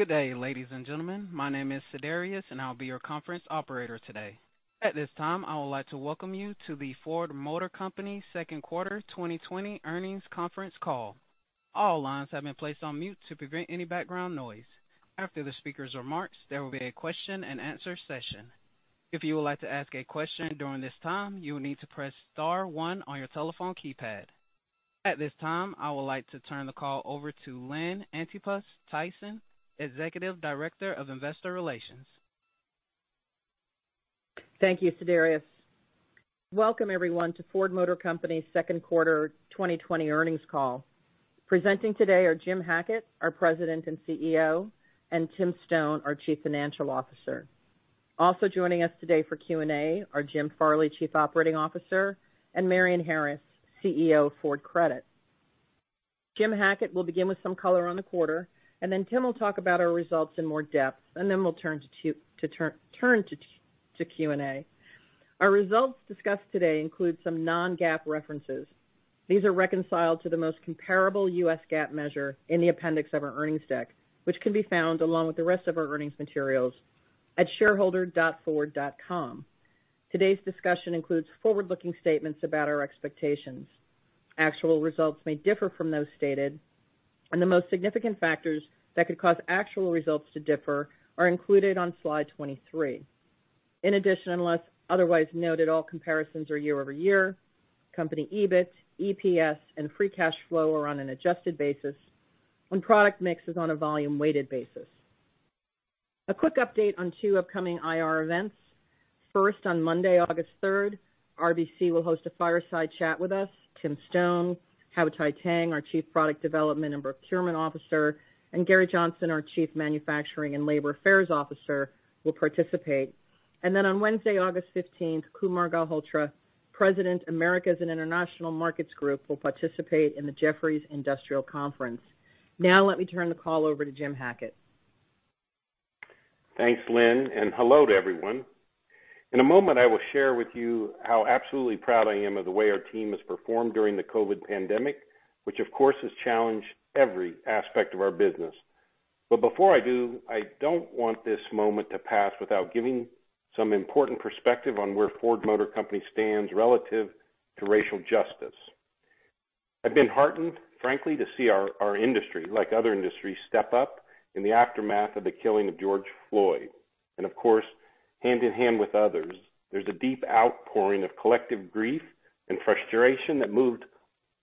Good day, ladies and gentlemen. My name is Sedarius, and I'll be your conference operator today. At this time, I would like to welcome you to the Ford Motor Company Second Quarter 2020 Earnings Conference Call. All lines have been placed on mute to prevent any background noise. After the speaker's remarks, there will be a question and answer session. If you would like to ask a question during this time, you will need to press star one on your telephone keypad. At this time, I would like to turn the call over to Lynn Antipas Tyson, Executive Director of Investor Relations. Thank you, Sedarius. Welcome, everyone, to Ford Motor Company's Second Quarter 2020 Earnings Call. Presenting today are Jim Hackett, our President and CEO, and Tim Stone, our Chief Financial Officer. Also joining us today for Q&A are Jim Farley, Chief Operating Officer, and Marion Harris, CEO of Ford Credit. Jim Hackett will begin with some color on the quarter, and then Tim will talk about our results in more depth, and then we'll turn to Q&A. Our results discussed today include some non-GAAP references. These are reconciled to the most comparable U.S. GAAP measure in the appendix of our earnings deck, which can be found along with the rest of our earnings materials at shareholder.ford.com. Today's discussion includes forward-looking statements about our expectations. Actual results may differ from those stated, and the most significant factors that could cause actual results to differ are included on slide 23. In addition, unless otherwise noted, all comparisons are year-over-year. Company EBIT, EPS, and free cash flow are on an adjusted basis when product mix is on a volume-weighted basis. A quick update on two upcoming IR events. First, on Monday, August 3rd, RBC will host a fireside chat with us. Tim Stone, Hau Thai-Tang, our Chief Product Development and Procurement Officer, and Gary Johnson, our Chief Manufacturing and Labor Affairs Officer, will participate. On Wednesday, August 15th, Kumar Galhotra, President, Americas and International Markets Group, will participate in the Jefferies Industrial Conference. Now let me turn the call over to Jim Hackett. Thanks, Lynn, and hello to everyone. In a moment, I will share with you how absolutely proud I am of the way our team has performed during the COVID pandemic, which of course has challenged every aspect of our business. Before I do, I don't want this moment to pass without giving some important perspective on where Ford Motor Company stands relative to racial justice. I've been heartened, frankly, to see our industry, like other industries, step up in the aftermath of the killing of George Floyd. Of course, hand in hand with others, there's a deep outpouring of collective grief and frustration that moved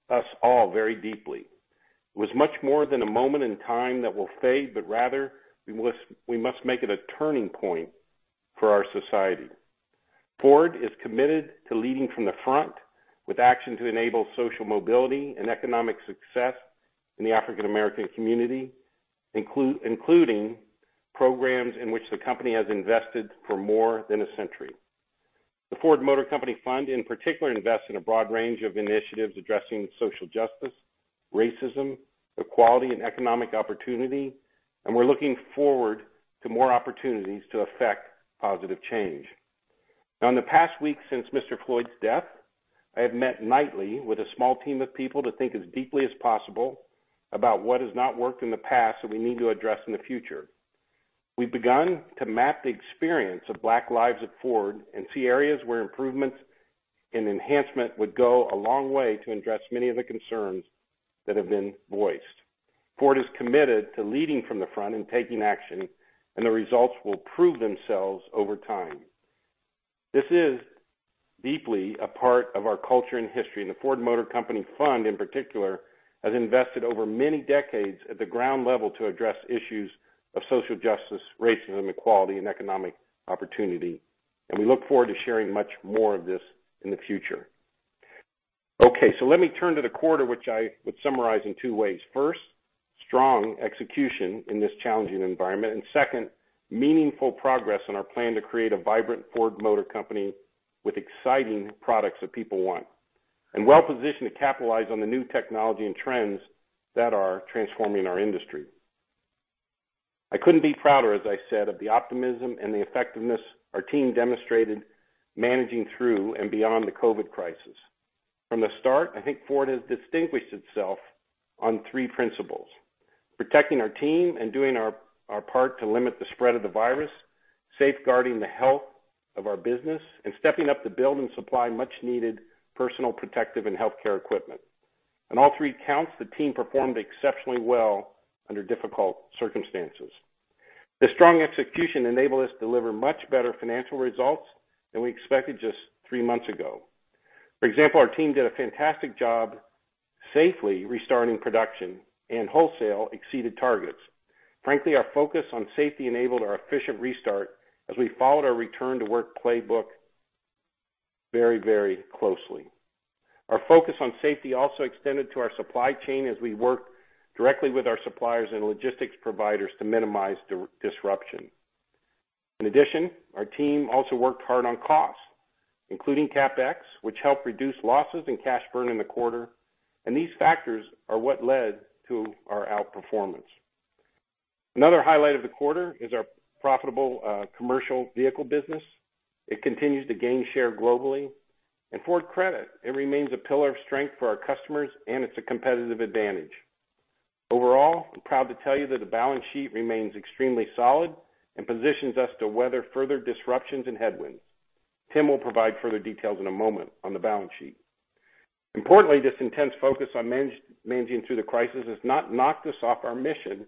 us all very deeply. It was much more than a moment in time that will fade, but rather, we must make it a turning point for our society. Ford is committed to leading from the front with action to enable social mobility and economic success in the African American community, including programs in which the company has invested for more than a century. The Ford Motor Company Fund, in particular, invests in a broad range of initiatives addressing social justice, racism, equality, and economic opportunity, and we're looking forward to more opportunities to effect positive change. Now, in the past weeks since Mr. Floyd's death, I have met nightly with a small team of people to think as deeply as possible about what has not worked in the past that we need to address in the future. We've begun to map the experience of Black lives at Ford and see areas where improvements and enhancement would go a long way to address many of the concerns that have been voiced. Ford is committed to leading from the front and taking action, and the results will prove themselves over time. This is deeply a part of our culture and history, and the Ford Motor Company Fund, in particular, has invested over many decades at the ground level to address issues of social justice, racism, equality, and economic opportunity. We look forward to sharing much more of this in the future. Let me turn to the quarter, which I would summarize in two ways. First, strong execution in this challenging environment, and second, meaningful progress on our plan to create a vibrant Ford Motor Company with exciting products that people want and well-positioned to capitalize on the new technology and trends that are transforming our industry. I couldn't be prouder, as I said, of the optimism and the effectiveness our team demonstrated managing through and beyond the COVID crisis. From the start, I think Ford has distinguished itself on three principles: protecting our team and doing our part to limit the spread of the virus, safeguarding the health of our business, and stepping up to build and supply much-needed personal protective and healthcare equipment. On all three counts, the team performed exceptionally well under difficult circumstances. The strong execution enabled us to deliver much better financial results than we expected just three months ago. For example, our team did a fantastic job safely restarting production and wholesale exceeded targets. Frankly, our focus on safety enabled our efficient restart as we followed our return-to-work playbook very closely. Our focus on safety also extended to our supply chain as we worked directly with our suppliers and logistics providers to minimize disruption. In addition, our team also worked hard on costs, including CapEx, which helped reduce losses and cash burn in the quarter. These factors are what led to our outperformance. Another highlight of the quarter is our profitable commercial vehicle business. It continues to gain share globally. Ford Credit, it remains a pillar of strength for our customers, and it's a competitive advantage. Overall, I'm proud to tell you that the balance sheet remains extremely solid and positions us to weather further disruptions and headwinds. Tim will provide further details in a moment on the balance sheet. Importantly, this intense focus on managing through the crisis has not knocked us off our mission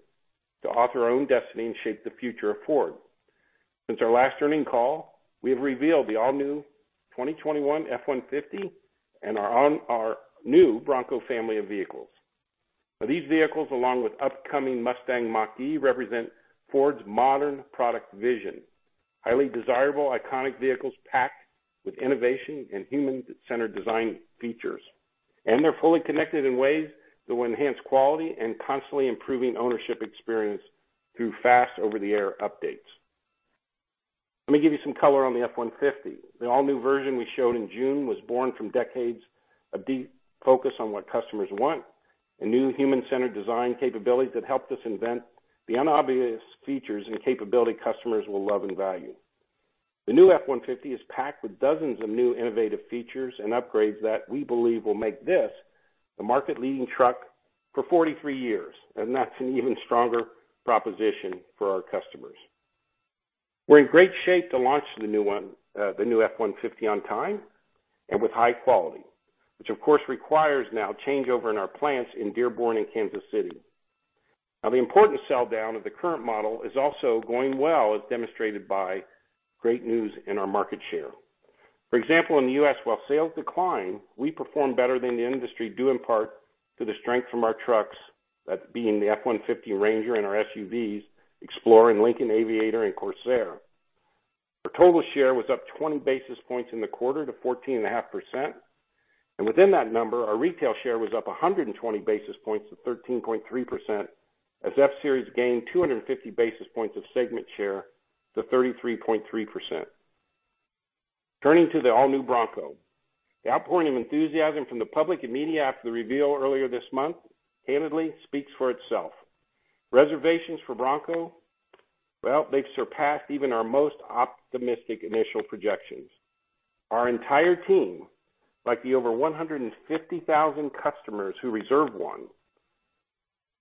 to author our own destiny and shape the future of Ford. Since our last earning call, we have revealed the all-new 2021 F-150 and our new Bronco family of vehicles. These vehicles, along with upcoming Mustang Mach-E, represent Ford's modern product vision. Highly desirable, iconic vehicles packed with innovation and human-centered design features. They're fully connected in ways that will enhance quality and constantly improving ownership experience through fast over-the-air updates. Let me give you some color on the F-150. The all-new version we showed in June was born from decades of deep focus on what customers want and new human-centered design capabilities that helped us invent the unobvious features and capability customers will love and value. The new F-150 is packed with dozens of new innovative features and upgrades that we believe will make this the market leading truck for 43 years, and that's an even stronger proposition for our customers. We're in great shape to launch the new F-150 on time and with high quality, which of course requires now changeover in our plants in Dearborn and Kansas City. Now, the important sell-down of the current model is also going well, as demonstrated by great news in our market share. For example, in the U.S., while sales decline, we perform better than the industry due in part to the strength from our trucks, that being the F-150, Ranger, and our SUVs, Explorer, and Lincoln Aviator, and Corsair. Our total share was up 20 basis points in the quarter to 14.5%, and within that number, our retail share was up 120 basis points to 13.3% as F-Series gained 250 basis points of segment share to 33.3%. Turning to the all-new Bronco. The outpouring of enthusiasm from the public and media after the reveal earlier this month candidly speaks for itself. Reservations for Bronco, well, they've surpassed even our most optimistic initial projections. Our entire team, like the over 150,000 customers who reserved one,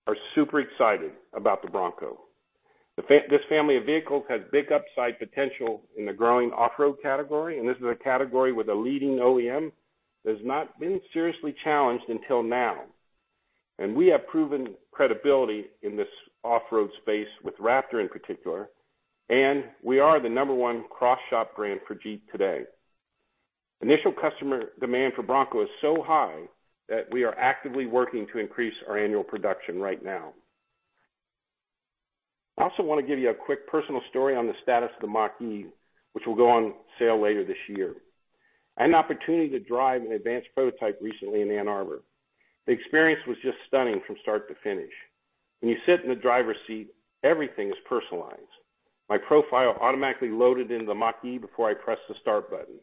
are super excited about the Bronco. This family of vehicles has big upside potential in the growing off-road category. This is a category with a leading OEM that has not been seriously challenged until now. We have proven credibility in this off-road space with Raptor in particular. We are the number one cross-shop brand for Jeep today. Initial customer demand for Bronco is so high that we are actively working to increase our annual production right now. I also want to give you a quick personal story on the status of the Mach-E, which will go on sale later this year. I had an opportunity to drive an advanced prototype recently in Ann Arbor. The experience was just stunning from start to finish. When you sit in the driver's seat, everything is personalized. My profile automatically loaded into the Mach-E before I pressed the start button.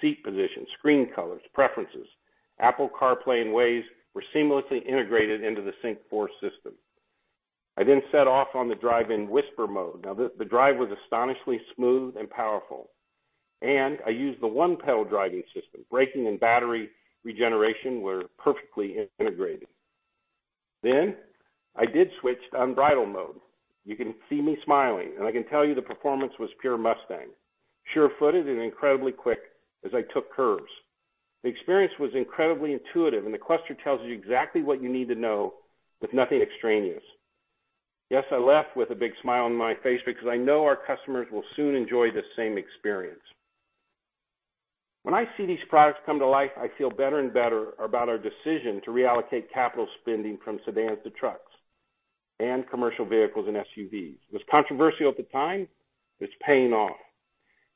Seat position, screen colors, preferences, Apple CarPlay, and Waze were seamlessly integrated into the SYNC 4 system. I set off on the drive in Whisper mode. The drive was astonishingly smooth and powerful, and I used the one-pedal driving system. Braking and battery regeneration were perfectly integrated. I did switch to Unbridled mode. You can see me smiling, and I can tell you the performance was pure Mustang. Surefooted and incredibly quick as I took curves. The experience was incredibly intuitive, and the cluster tells you exactly what you need to know with nothing extraneous. I left with a big smile on my face because I know our customers will soon enjoy the same experience. When I see these products come to life, I feel better and better about our decision to reallocate capital spending from sedans to trucks and commercial vehicles and SUVs. It was controversial at the time. It's paying off.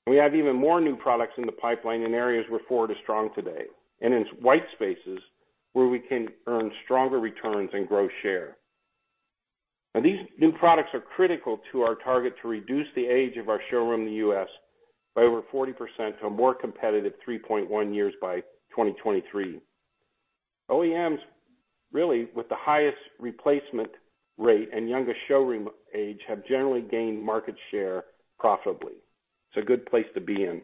We have even more new products in the pipeline in areas where Ford is strong today and in white spaces where we can earn stronger returns and grow share. Now, these new products are critical to our target to reduce the age of our showroom in the U.S. by over 40% to a more competitive 3.1 years by 2023. OEMs really with the highest replacement rate and youngest showroom age have generally gained market share profitably. It's a good place to be in.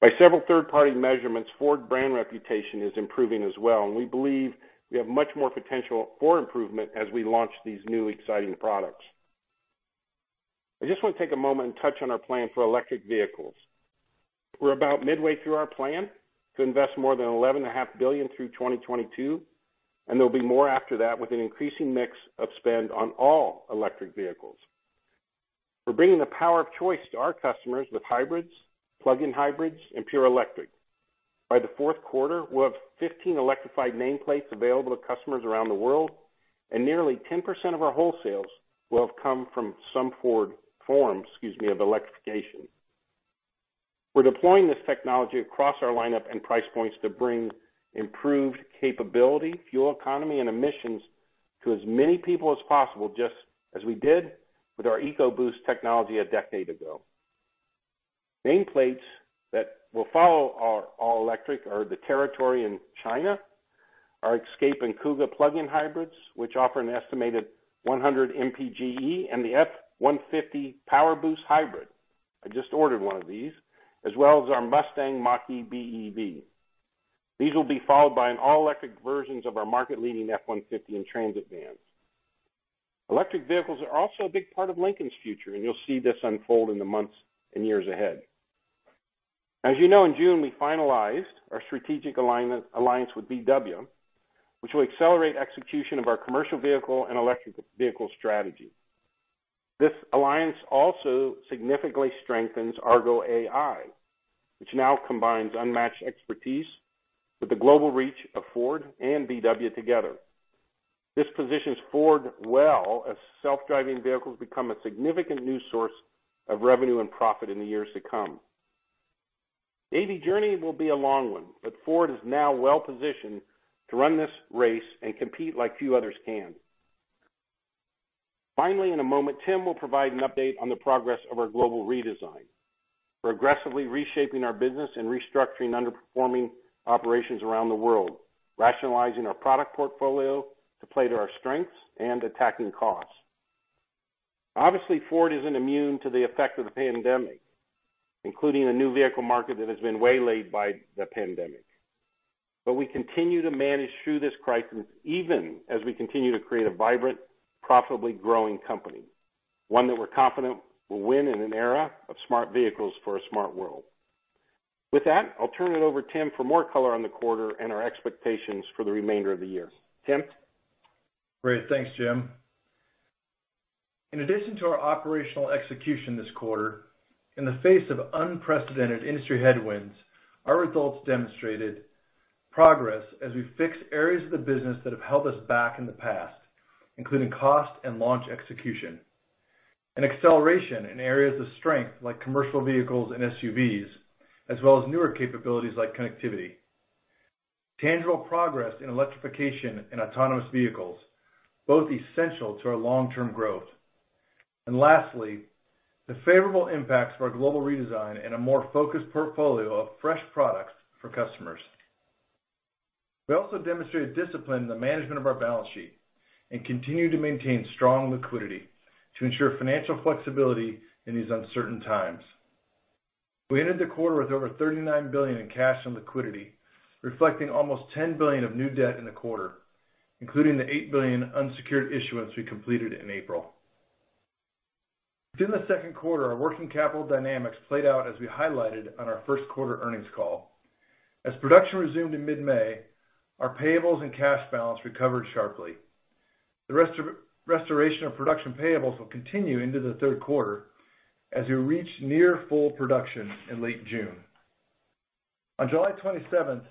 By several third-party measurements, Ford brand reputation is improving as well, and we believe we have much more potential for improvement as we launch these new exciting products. I just want to take a moment and touch on our plan for electric vehicles. We're about midway through our plan to invest more than $11.5 billion through 2022, and there'll be more after that with an increasing mix of spend on all electric vehicles. We're bringing the power of choice to our customers with hybrids, plug-in hybrids, and pure electric. By the fourth quarter, we'll have 15 electrified nameplates available to customers around the world, and nearly 10% of our wholesales will have come from some Ford form, excuse me, of electrification. We're deploying this technology across our lineup and price points to bring improved capability, fuel economy, and emissions to as many people as possible, just as we did with our EcoBoost technology a decade ago. Nameplates that will follow our all-electric are the Territory in China, our Escape and Kuga plug-in hybrids, which offer an estimated 100 MPGe, and the F-150 PowerBoost hybrid. I just ordered one of these, as well as our Mustang Mach-E BEV. These will be followed by all-electric versions of our market-leading F-150 and Transit vans. Electric vehicles are also a big part of Lincoln's future, and you'll see this unfold in the months and years ahead. As you know, in June, we finalized our strategic alliance with VW, which will accelerate execution of our commercial vehicle and electric vehicle strategy. This alliance also significantly strengthens Argo AI, which now combines unmatched expertise with the global reach of Ford and VW together. This positions Ford well as self-driving vehicles become a significant new source of revenue and profit in the years to come. The AV journey will be a long one. Ford is now well-positioned to run this race and compete like few others can. Finally, in a moment, Tim will provide an update on the progress of our global redesign. We're aggressively reshaping our business and restructuring underperforming operations around the world, rationalizing our product portfolio to play to our strengths and attacking costs. Obviously, Ford isn't immune to the effect of the pandemic, including a new vehicle market that has been waylaid by the pandemic. We continue to manage through this crisis, even as we continue to create a vibrant, profitably growing company, one that we're confident will win in an era of smart vehicles for a smart world. With that, I'll turn it over to Tim for more color on the quarter and our expectations for the remainder of the year. Tim? Great. Thanks, Jim. In addition to our operational execution this quarter, in the face of unprecedented industry headwinds, our results demonstrated progress as we fixed areas of the business that have held us back in the past, including cost and launch execution. Acceleration in areas of strength like commercial vehicles and SUVs, as well as newer capabilities like connectivity, tangible progress in electrification and autonomous vehicles, both essential to our long-term growth, and lastly, the favorable impacts of our global redesign and a more focused portfolio of fresh products for customers. We also demonstrated discipline in the management of our balance sheet and continue to maintain strong liquidity to ensure financial flexibility in these uncertain times. We ended the quarter with over $39 billion in cash and liquidity, reflecting almost $10 billion of new debt in the quarter, including the $8 billion unsecured issuance we completed in April. During the second quarter, our working capital dynamics played out as we highlighted on our first quarter earnings call. As production resumed in mid-May, our payables and cash balance recovered sharply. The restoration of production payables will continue into the third quarter as we reach near full production in late June. On July 27th,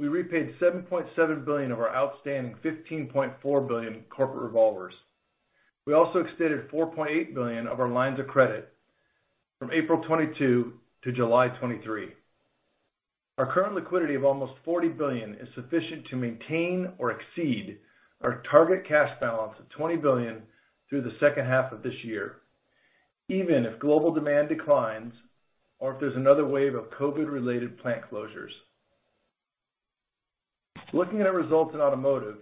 we repaid $7.7 billion of our outstanding $15.4 billion corporate revolvers. We also extended $4.8 billion of our lines of credit from April 22 to July 23. Our current liquidity of almost $40 billion is sufficient to maintain or exceed our target cash balance of $20 billion through the second half of this year, even if global demand declines or if there's another wave of COVID-related plant closures. Looking at our results in automotive,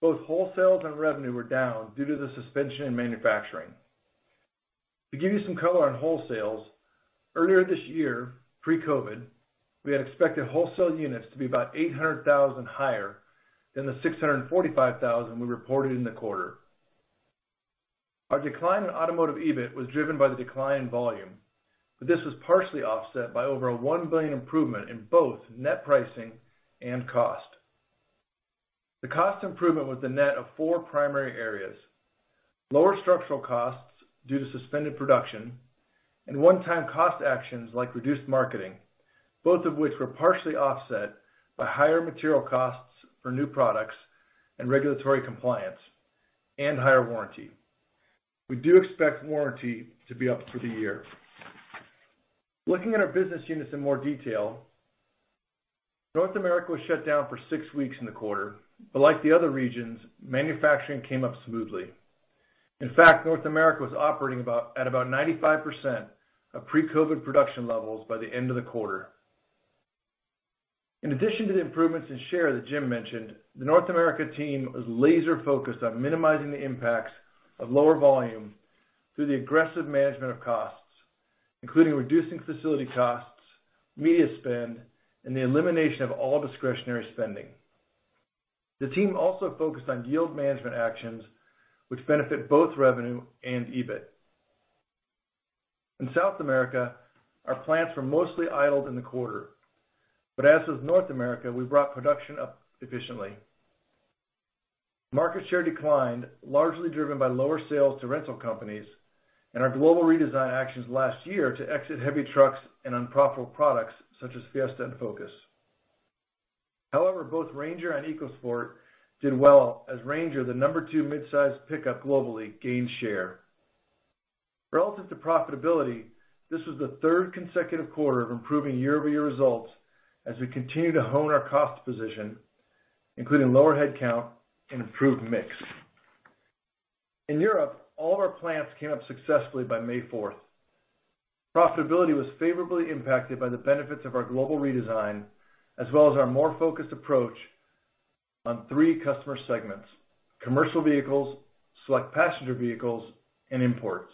both wholesales and revenue were down due to the suspension in manufacturing. To give you some color on wholesales, earlier this year, pre-COVID, we had expected wholesale units to be about 800,000 higher than the 645,000 we reported in the quarter. Our decline in automotive EBIT was driven by the decline in volume, but this was partially offset by over a $1 billion improvement in both net pricing and cost. The cost improvement was the net of four primary areas, lower structural costs due to suspended production and one-time cost actions like reduced marketing, both of which were partially offset by higher material costs for new products and regulatory compliance and higher warranty. We do expect warranty to be up for the year. Looking at our business units in more detail, North America was shut down for six weeks in the quarter, but like the other regions, manufacturing came up smoothly. In fact, North America was operating at about 95% of pre-COVID production levels by the end of the quarter. In addition to the improvements in share that Jim mentioned, the North America team was laser-focused on minimizing the impacts of lower volume through the aggressive management of costs, including reducing facility costs, media spend, and the elimination of all discretionary spending. The team also focused on yield management actions, which benefit both revenue and EBIT. In South America, our plants were mostly idled in the quarter, but as with North America, we brought production up efficiently. Market share declined, largely driven by lower sales to rental companies and our global redesign actions last year to exit heavy trucks and unprofitable products such as Fiesta and Focus. However, both Ranger and EcoSport did well as Ranger, the number two midsize pickup globally, gained share. Relative to profitability, this was the third consecutive quarter of improving year-over-year results as we continue to hone our cost position, including lower headcount and improved mix. In Europe, all of our plants came up successfully by May 4th. Profitability was favorably impacted by the benefits of our global redesign, as well as our more focused approach on three customer segments: commercial vehicles, select passenger vehicles, and imports.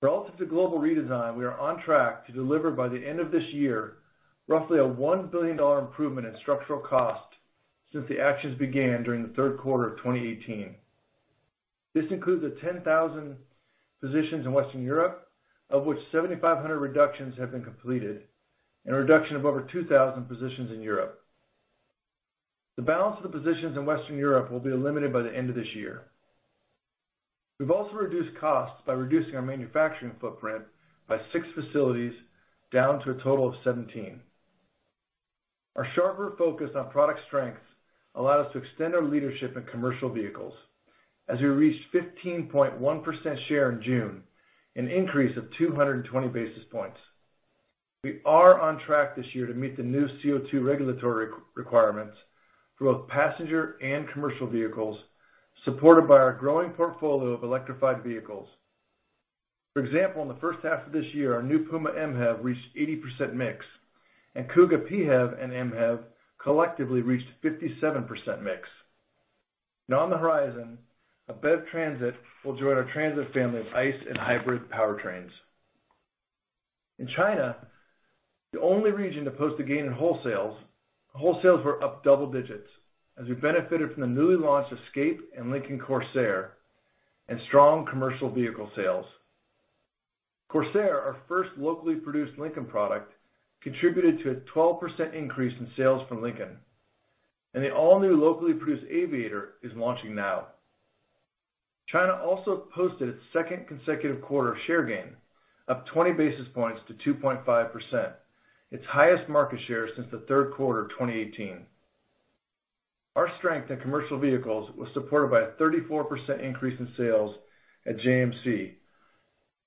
Relative to global redesign, we are on track to deliver by the end of this year, roughly a $1 billion improvement in structural cost since the actions began during the third quarter of 2018. This includes the 10,000 positions in Western Europe, of which 7,500 reductions have been completed and a reduction of over 2,000 positions in Europe. The balance of the positions in Western Europe will be eliminated by the end of this year. We've also reduced costs by reducing our manufacturing footprint by six facilities, down to a total of 17. Our sharper focus on product strengths allowed us to extend our leadership in commercial vehicles as we reached 15.1% share in June, an increase of 220 basis points. We are on track this year to meet the new CO2 regulatory requirements for both passenger and commercial vehicles, supported by our growing portfolio of electrified vehicles. For example, in the first half of this year, our new Puma MHEV reached 80% mix, and Kuga PHEV and MHEV collectively reached 57% mix. Now on the horizon, a BEV Transit will join our Transit family of ICE and hybrid powertrains. In China, the only region to post a gain in wholesales were up double digits as we benefited from the newly launched Escape and Lincoln Corsair and strong commercial vehicle sales. Corsair, our first locally produced Lincoln product, contributed to a 12% increase in sales from Lincoln. The all-new locally produced Aviator is launching now. China also posted its second consecutive quarter of share gain, up 20 basis points to 2.5%, its highest market share since the third quarter of 2018. Our strength in commercial vehicles was supported by a 34% increase in sales at JMC,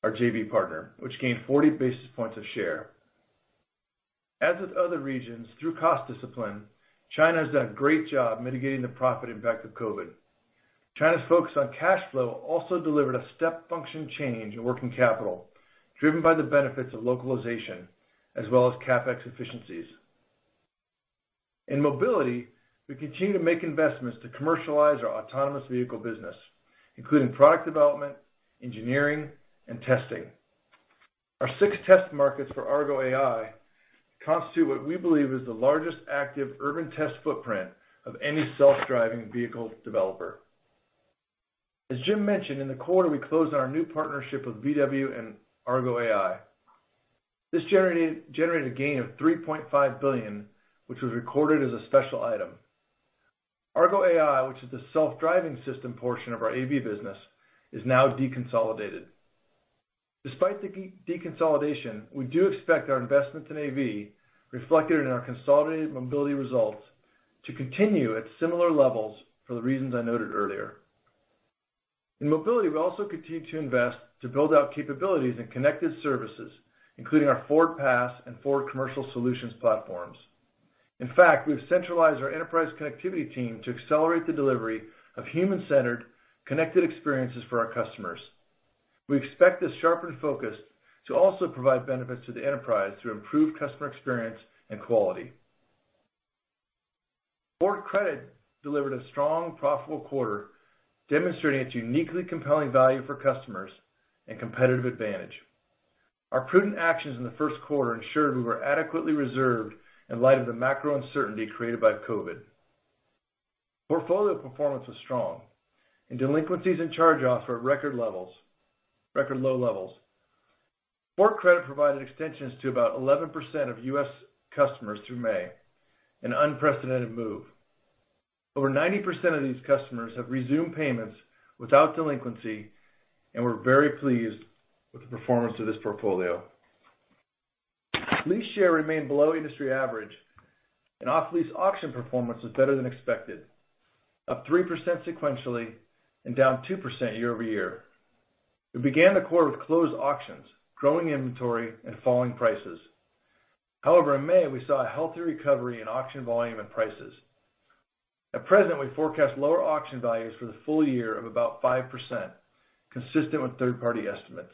our JV partner, which gained 40 basis points of share. As with other regions, through cost discipline, China has done a great job mitigating the profit impact of COVID. China's focus on cash flow also delivered a step function change in working capital, driven by the benefits of localization as well as CapEx efficiencies. In mobility, we continue to make investments to commercialize our autonomous vehicle business, including product development, engineering, and testing. Our six test markets for Argo AI constitute what we believe is the largest active urban test footprint of any self-driving vehicle developer. As Jim mentioned, in the quarter, we closed our new partnership with VW and Argo AI. This generated a gain of $3.5 billion, which was recorded as a special item. Argo AI, which is the self-driving system portion of our AV business, is now deconsolidated. Despite the deconsolidation, we do expect our investments in AV reflected in our consolidated mobility results to continue at similar levels for the reasons I noted earlier. In mobility, we also continue to invest to build out capabilities in connected services, including our FordPass and Ford Commercial Solutions platforms. In fact, we've centralized our enterprise connectivity team to accelerate the delivery of human-centered, connected experiences for our customers. We expect this sharpened focus to also provide benefits to the enterprise through improved customer experience and quality. Ford Credit delivered a strong, profitable quarter, demonstrating its uniquely compelling value for customers and competitive advantage. Our prudent actions in the first quarter ensured we were adequately reserved in light of the macro uncertainty created by COVID. Portfolio performance was strong and delinquencies and charge-offs were at record low levels. Ford Credit provided extensions to about 11% of U.S. customers through May, an unprecedented move. Over 90% of these customers have resumed payments without delinquency, and we're very pleased with the performance of this portfolio. Lease share remained below industry average, and off-lease auction performance was better than expected, up 3% sequentially and down 2% year-over-year. We began the quarter with closed auctions, growing inventory, and falling prices. However, in May, we saw a healthy recovery in auction volume and prices. At present, we forecast lower auction values for the full year of about 5%, consistent with third-party estimates.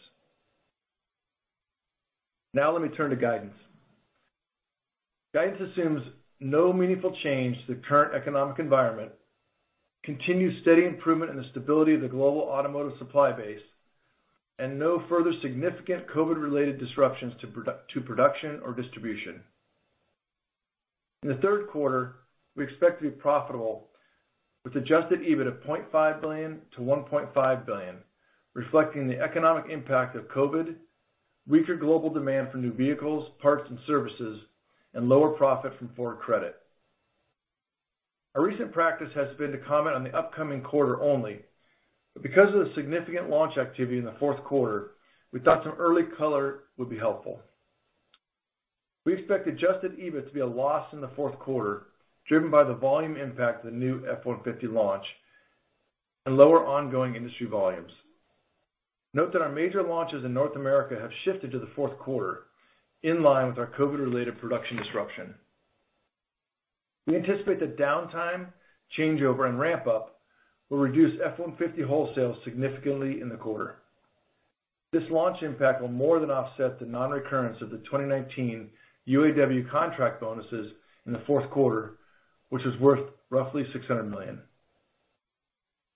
Now let me turn to guidance. Guidance assumes no meaningful change to the current economic environment, continued steady improvement in the stability of the global automotive supply base, and no further significant COVID-related disruptions to production or distribution. In the third quarter, we expect to be profitable with adjusted EBIT of $0.5 billion-$1.5 billion, reflecting the economic impact of COVID, weaker global demand for new vehicles, parts and services, and lower profit from Ford Credit. Our recent practice has been to comment on the upcoming quarter only, but because of the significant launch activity in the fourth quarter, we thought some early color would be helpful. We expect adjusted EBIT to be a loss in the fourth quarter, driven by the volume impact of the new F-150 launch and lower ongoing industry volumes. Note that our major launches in North America have shifted to the fourth quarter, in line with our COVID-related production disruption. We anticipate the downtime changeover and ramp-up will reduce F-150 wholesale significantly in the quarter. This launch impact will more than offset the non-recurrence of the 2019 UAW contract bonuses in the fourth quarter, which was worth roughly $600 million.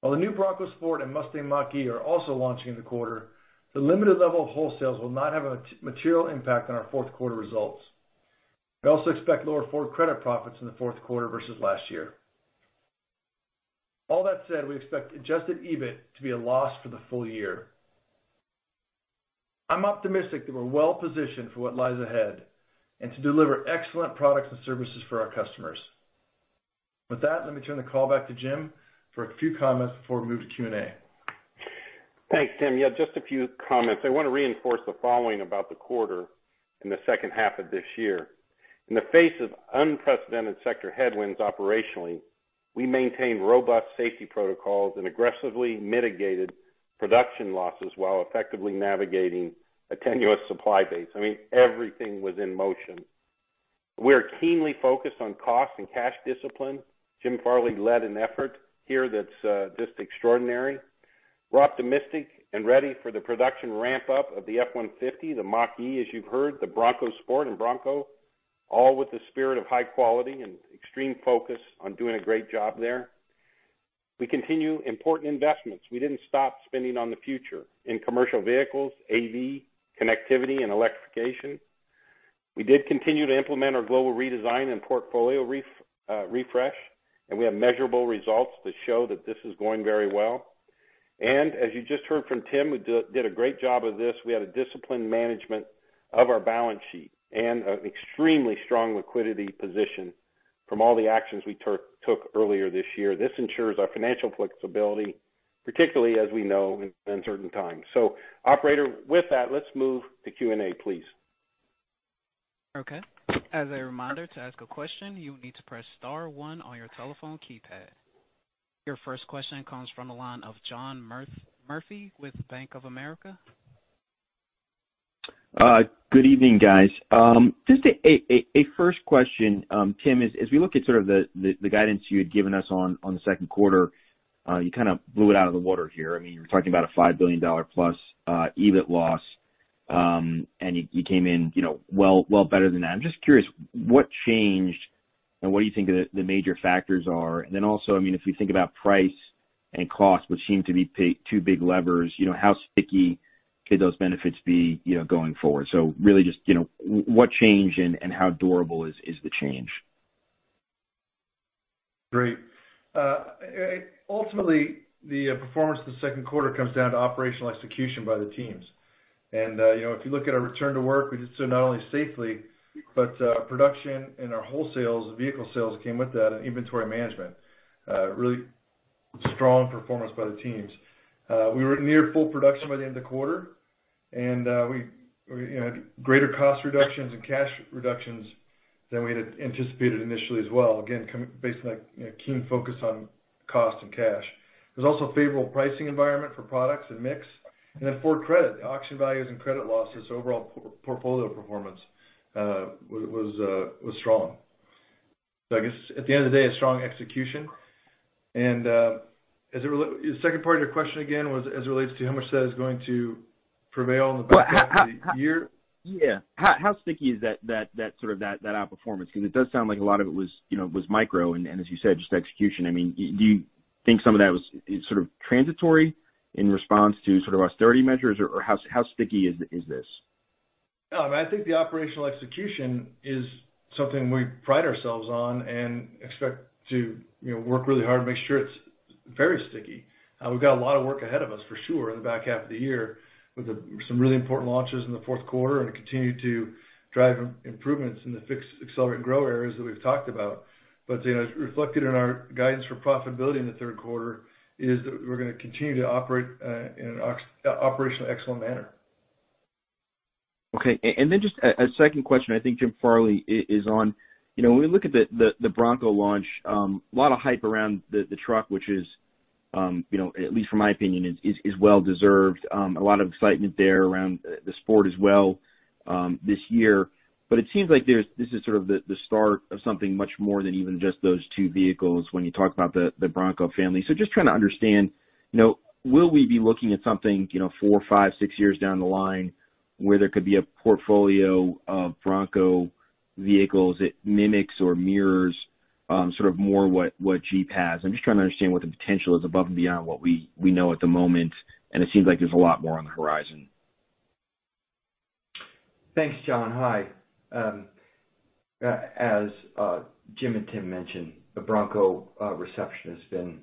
While the new Bronco Sport and Mustang Mach-E are also launching in the quarter, the limited level of wholesales will not have a material impact on our fourth quarter results. We also expect lower Ford Credit profits in the fourth quarter versus last year. All that said, we expect adjusted EBIT to be a loss for the full year. I'm optimistic that we're well-positioned for what lies ahead and to deliver excellent products and services for our customers. With that, let me turn the call back to Jim for a few comments before we move to Q&A. Thanks, Tim. Yeah, just a few comments. I want to reinforce the following about the quarter and the second half of this year. In the face of unprecedented sector headwinds operationally, we maintained robust safety protocols and aggressively mitigated production losses while effectively navigating a tenuous supply base. I mean, everything was in motion. We are keenly focused on cost and cash discipline. Jim Farley led an effort here that's just extraordinary. We're optimistic and ready for the production ramp-up of the F-150, the Mach-E, as you've heard, the Bronco Sport and Bronco, all with the spirit of high quality and extreme focus on doing a great job there. We continue important investments. We didn't stop spending on the future in commercial vehicles, AV, connectivity, and electrification. We did continue to implement our global redesign and portfolio refresh, and we have measurable results that show that this is going very well. As you just heard from Tim, who did a great job of this, we had a disciplined management of our balance sheet and an extremely strong liquidity position from all the actions we took earlier this year. This ensures our financial flexibility, particularly as we know in uncertain times. Operator, with that, let's move to Q&A, please. Okay. As a reminder, to ask a question, you will need to press star one on your telephone keypad. Your first question comes from the line of John Murphy with Bank of America. Good evening, guys. Just a first question, Tim, as we look at sort of the guidance you had given us on the second quarter, you kind of blew it out of the water here. I mean, you're talking about a $5+ billion EBIT loss, and you came in well better than that. I'm just curious what changed and what do you think the major factors are? Then also, if we think about price and cost, which seem to be two big levers, how sticky could those benefits be going forward? Really just what changed and how durable is the change? Great. Ultimately, the performance of the second quarter comes down to operational execution by the teams. If you look at our return to work, we did so not only safely, but production and our wholesales, vehicle sales came with that and inventory management. A really strong performance by the teams. We were at near full production by the end of quarter, and we had greater cost reductions and cash reductions than we had anticipated initially as well. Again, based on that keen focus on cost and cash. There's also a favorable pricing environment for products and mix. Ford Credit, the auction values and credit losses, overall portfolio performance was strong. I guess at the end of the day, a strong execution. The second part of your question again was as it relates to how much that is going to prevail in the back half of the year? Yeah. How sticky is that sort of outperformance? Because it does sound like a lot of it was micro and as you said, just execution. Do you think some of that was sort of transitory in response to sort of austerity measures, or how sticky is this? No, I think the operational execution is something we pride ourselves on and expect to work really hard to make sure it's very sticky. We've got a lot of work ahead of us for sure in the back half of the year with some really important launches in the fourth quarter and to continue to drive improvements in the fix, accelerate, grow areas that we've talked about. As reflected in our guidance for profitability in the third quarter is that we're going to continue to operate in an operationally excellent manner. Okay. Just a second question. I think Jim Farley is on. When we look at the Bronco launch, a lot of hype around the truck, which is at least from my opinion, is well deserved. A lot of excitement there around the Sport as well this year. It seems like this is sort of the start of something much more than even just those two vehicles when you talk about the Bronco family. Just trying to understand, will we be looking at something four, five, six years down the line where there could be a portfolio of Bronco vehicles that mimics or mirrors sort of more what Jeep has? I'm just trying to understand what the potential is above and beyond what we know at the moment, and it seems like there's a lot more on the horizon. Thanks, John. Hi. As Jim and Tim mentioned, the Bronco reception has been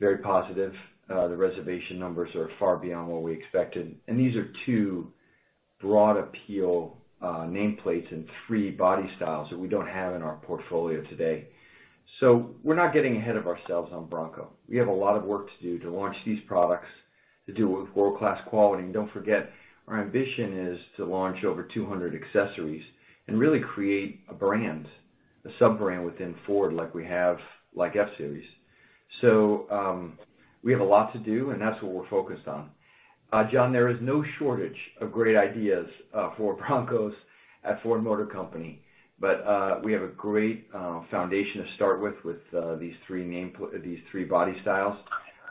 very positive. The reservation numbers are far beyond what we expected, and these are two broad appeal nameplates and three body styles that we don't have in our portfolio today. We're not getting ahead of ourselves on Bronco. We have a lot of work to do to launch these products, to do it with world-class quality. Don't forget, our ambition is to launch over 200 accessories and really create a brand, a sub-brand within Ford like we have F-Series. We have a lot to do, and that's what we're focused on. John, there is no shortage of great ideas for Broncos at Ford Motor Company. We have a great foundation to start with these three body styles.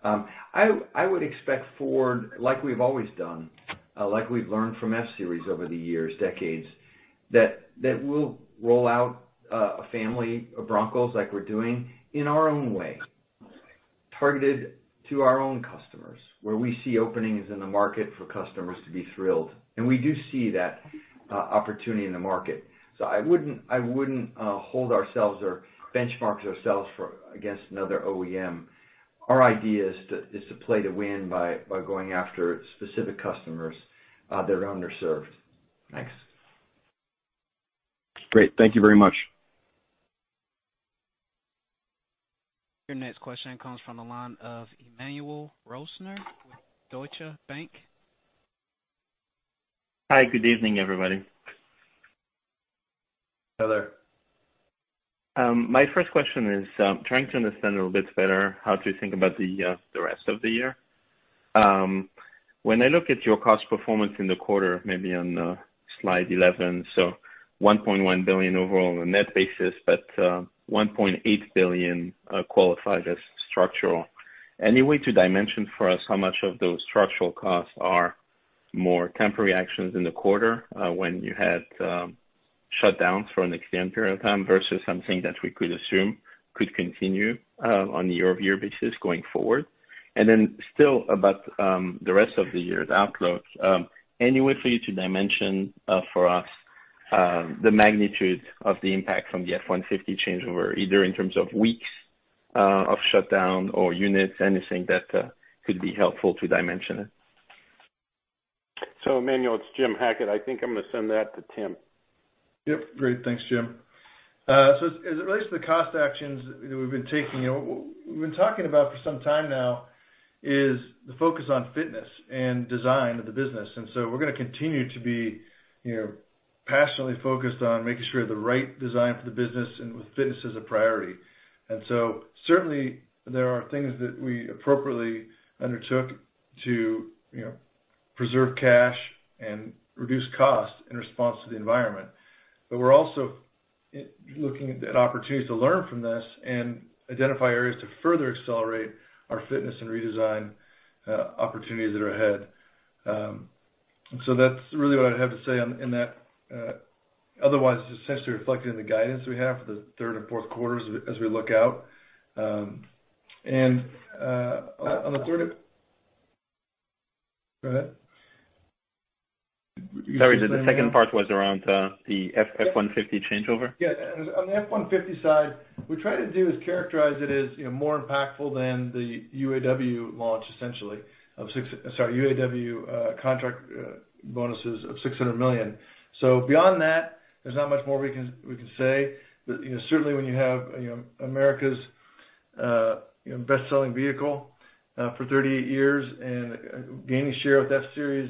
I would expect Ford, like we've always done, like we've learned from F-Series over the years, decades, that we'll roll out a family of Broncos like we're doing in our own way, targeted to our own customers, where we see openings in the market for customers to be thrilled. We do see that opportunity in the market. I wouldn't hold ourselves or benchmark ourselves against another OEM. Our idea is to play to win by going after specific customers that are underserved. Thanks. Great. Thank you very much. Your next question comes from the line of Emmanuel Rosner with Deutsche Bank. Hi, good evening, everybody. Hi there. My first question is trying to understand a little bit better how to think about the rest of the year. When I look at your cost performance in the quarter, maybe on slide 11, so $1.1 billion overall on a net basis, but $1.8 billion qualifies as structural. Any way to dimension for us how much of those structural costs are more temporary actions in the quarter, when you had shutdowns for an extended period of time versus something that we could assume could continue on a year-over-year basis going forward? Still about the rest of the year's outlook, any way for you to dimension for us the magnitude of the impact from the F-150 changeover, either in terms of weeks of shutdown or units, anything that could be helpful to dimension it? Emmanuel, it's Jim Hackett. I think I'm going to send that to Tim. Yup. Great. Thanks, Jim. As it relates to the cost actions that we've been taking, we've been talking about for some time now is the focus on fitness and design of the business. We're going to continue to be passionately focused on making sure the right design for the business and with fitness as a priority. Certainly there are things that we appropriately undertook to preserve cash and reduce costs in response to the environment. We're also looking at opportunities to learn from this and identify areas to further accelerate our fitness and redesign opportunities that are ahead. That's really what I have to say in that. Otherwise, it's essentially reflected in the guidance we have for the third and fourth quarters as we look out. On the third. Go ahead. Sorry, the second part was around the F-150 changeover. Yeah. On the F-150 side, we try to do is characterize it as more impactful than the UAW contract bonuses of $600 million. Beyond that, there's not much more we can say. Certainly when you have America's best-selling vehicle for 38 years and gaining share with F-series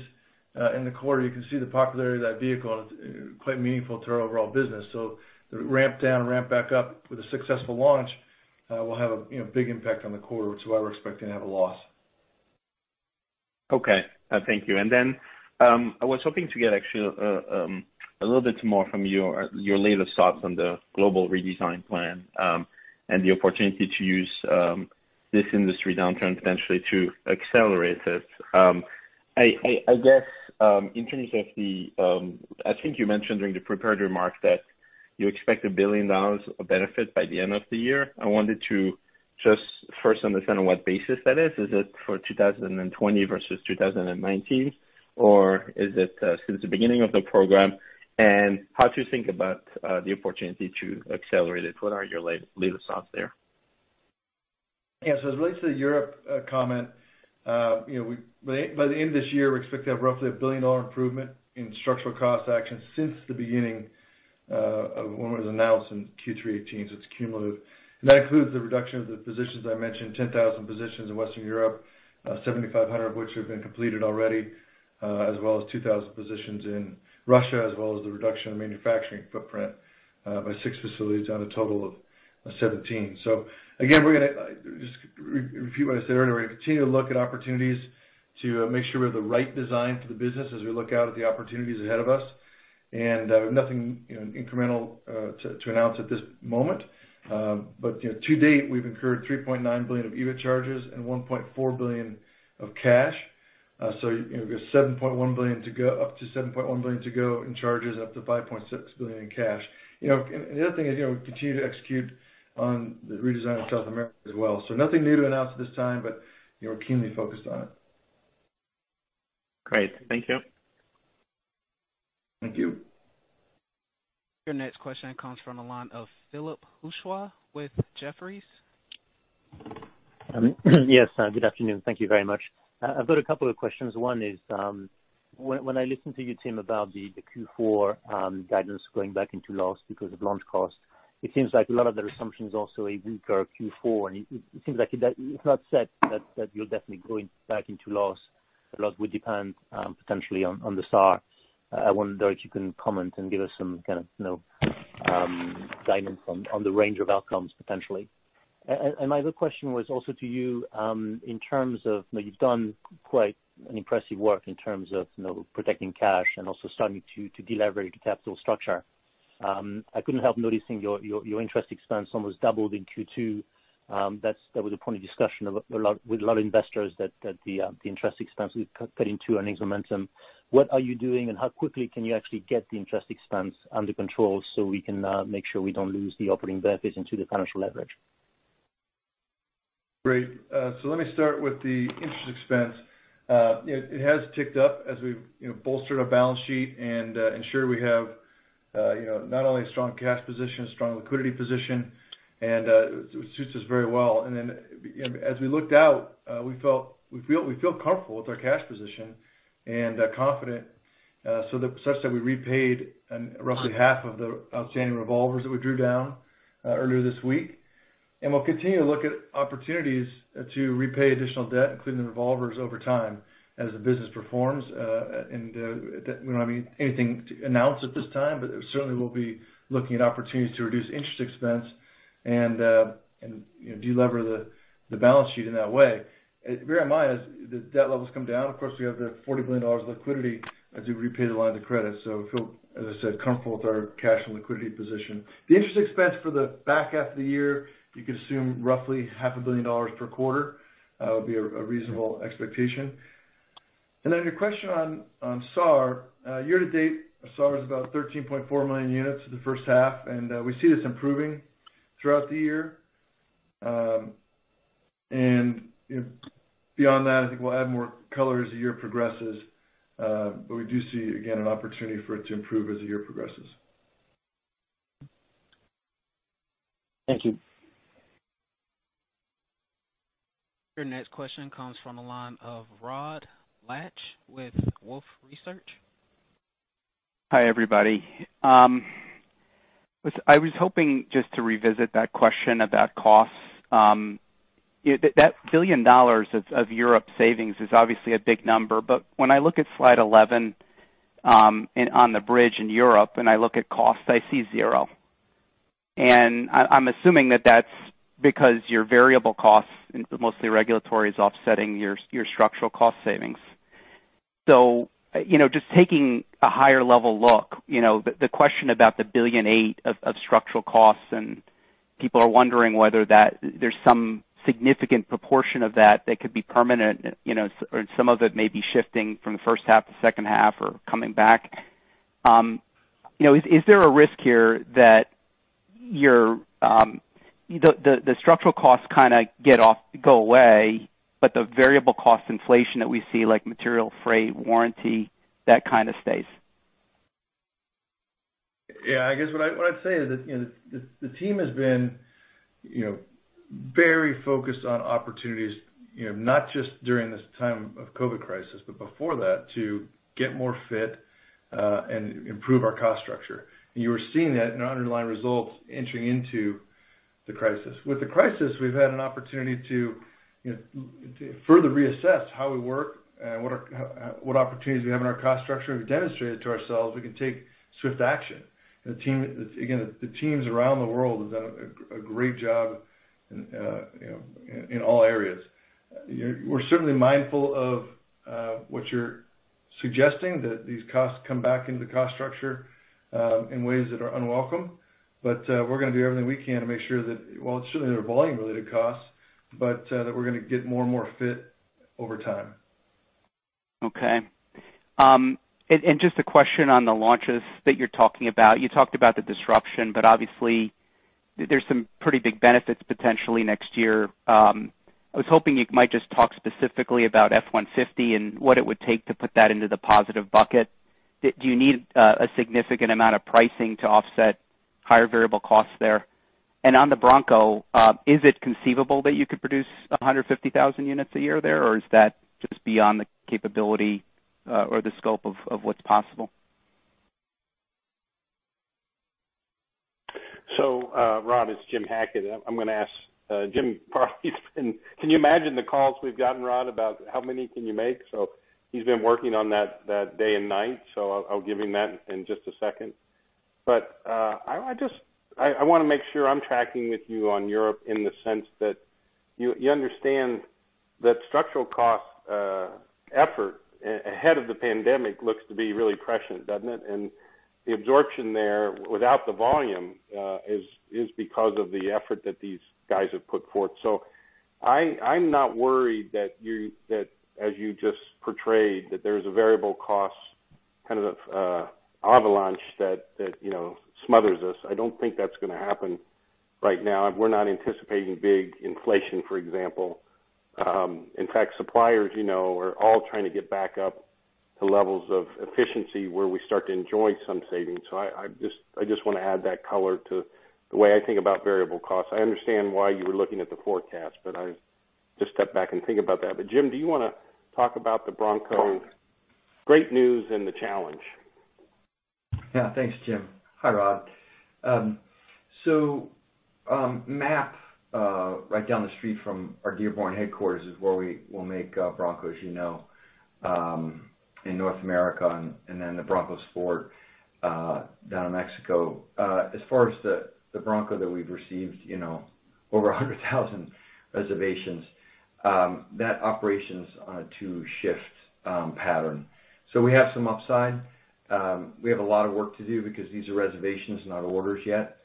in the quarter, you can see the popularity of that vehicle, and it's quite meaningful to our overall business. The ramp down, ramp back up with a successful launch will have a big impact on the quarter, which is why we're expecting to have a loss. Okay. Thank you. I was hoping to get actually a little bit more from you, your latest thoughts on the global redesign plan, and the opportunity to use this industry downturn potentially to accelerate it. I guess, in terms of the, I think you mentioned during the prepared remarks that you expect $1 billion of benefit by the end of the year. I wanted to just first understand on what basis that is. Is it for 2020 versus 2019, or is it since the beginning of the program? How to think about the opportunity to accelerate it. What are your latest thoughts there? Yeah. As it relates to the Europe comment, by the end of this year, we expect to have roughly a billion-dollar improvement in structural cost actions since the beginning, when it was announced in Q3 2018, so it's cumulative. That includes the reduction of the positions I mentioned, 10,000 positions in Western Europe, 7,500 of which have been completed already, as well as 2,000 positions in Russia, as well as the reduction of manufacturing footprint by six facilities on a total of 17. Again, we're going to just repeat what I said earlier. We're going to continue to look at opportunities to make sure we have the right design for the business as we look out at the opportunities ahead of us. Nothing incremental to announce at this moment. To date, we've incurred $3.9 billion of EBIT charges and $1.4 billion of cash, up to $7.1 billion to go in charges, up to $5.6 billion in cash. The other thing is, we continue to execute on the redesign of South America as well. Nothing new to announce at this time, but we're keenly focused on it. Great. Thank you. Thank you. Your next question comes from the line of Philippe Houchois with Jefferies. Yes, good afternoon. Thank you very much. I've got a couple of questions. One is, when I listen to you, Tim, about the Q4 guidance going back into loss because of launch cost, it seems like a lot of the assumptions also a weaker Q4, and it seems like it's not set that you're definitely going back into loss. A lot would depend, potentially, on the SAAR. I wonder if you can comment and give us some kind of guidance on the range of outcomes potentially. My other question was also to you, in terms of, you've done quite impressive work in terms of protecting cash and also starting to de-leverage the capital structure. I couldn't help noticing your interest expense almost doubled in Q2. That was a point of discussion with a lot of investors, that the interest expense cut into earnings momentum. What are you doing, and how quickly can you actually get the interest expense under control so we can make sure we don't lose the operating benefits into the financial leverage? Great. Let me start with the interest expense. It has ticked up as we've bolstered our balance sheet and ensured we have not only a strong cash position, a strong liquidity position, and it suits us very well. As we looked out, we feel comfortable with our cash position and confident such that we repaid roughly half of the outstanding revolvers that we drew down earlier this week. We'll continue to look at opportunities to repay additional debt, including the revolvers over time as the business performs. We don't have anything to announce at this time, but certainly we'll be looking at opportunities to reduce interest expense and de-leverage the balance sheet in that way. Bear in mind, as the debt levels come down, of course, we have the $40 billion of liquidity as we repay the line of credit. We feel, as I said, comfortable with our cash and liquidity position. The interest expense for the back half of the year, you could assume roughly half a billion dollars per quarter. That would be a reasonable expectation. Your question on SAAR. Year-to-date, SAAR is about 13.4 million units for the first half, and we see this improving throughout the year. I think we'll add more color as the year progresses. We do see, again, an opportunity for it to improve as the year progresses. Thank you. Your next question comes from the line of Rod Lache with Wolfe Research. Hi, everybody. I was hoping just to revisit that question about costs. That $1 billion of Europe savings is obviously a big number. When I look at slide 11 on the bridge in Europe and I look at costs, I see zero. I'm assuming that that's because your variable costs, mostly regulatory, is offsetting your structural cost savings. Just taking a higher level look, the question about the $1.8 billion of structural costs, and people are wondering whether there's some significant proportion of that could be permanent, or some of it may be shifting from the first half to the second half or coming back. Is there a risk here that the structural costs kind of go away, but the variable cost inflation that we see, like material, freight, warranty, that kind of stays? Yeah, I guess what I'd say is the team has been very focused on opportunities, not just during this time of COVID crisis, but before that, to get more fit and improve our cost structure. You are seeing that in our underlying results entering into the crisis. With the crisis, we've had an opportunity to further reassess how we work and what opportunities we have in our cost structure. We've demonstrated to ourselves we can take swift action. Again, the teams around the world have done a great job in all areas. We're certainly mindful of what you're suggesting, that these costs come back into the cost structure in ways that are unwelcome. We're going to do everything we can to make sure that, well, it's certainly their volume-related costs, but that we're going to get more and more fit over time. Okay. Just a question on the launches that you're talking about. You talked about the disruption, but obviously there's some pretty big benefits potentially next year. I was hoping you might just talk specifically about F-150 and what it would take to put that into the positive bucket. Do you need a significant amount of pricing to offset higher variable costs there? On the Bronco, is it conceivable that you could produce 150,000 units a year there, or is that just beyond the capability or the scope of what's possible? Rod, it's Jim Hackett. I'm going to ask Jim Farley. Can you imagine the calls we've gotten, Rod, about how many can you make? He's been working on that day and night. I'll give him that in just a second. I want to make sure I'm tracking with you on Europe in the sense that you understand that structural cost effort ahead of the pandemic looks to be really prescient, doesn't it? The absorption there without the volume is because of the effort that these guys have put forth. I'm not worried that as you just portrayed, that there's a variable cost kind of avalanche that smothers us. I don't think that's going to happen right now. We're not anticipating big inflation, for example. In fact, suppliers are all trying to get back up to levels of efficiency where we start to enjoy some savings. I just want to add that color to the way I think about variable costs. I understand why you were looking at the forecast, but I just step back and think about that. Jim, do you want to talk about the Bronco, great news and the challenge? Yeah. Thanks, Jim. Hi, Rod. MAP, right down the street from our Dearborn headquarters, is where we will make Broncos, in North America, and then the Broncos Sport down in Mexico. As far as the Bronco that we've received over 100,000 reservations, that operation's on a two-shift pattern. We have some upside. We have a lot of work to do because these are reservations, not orders yet.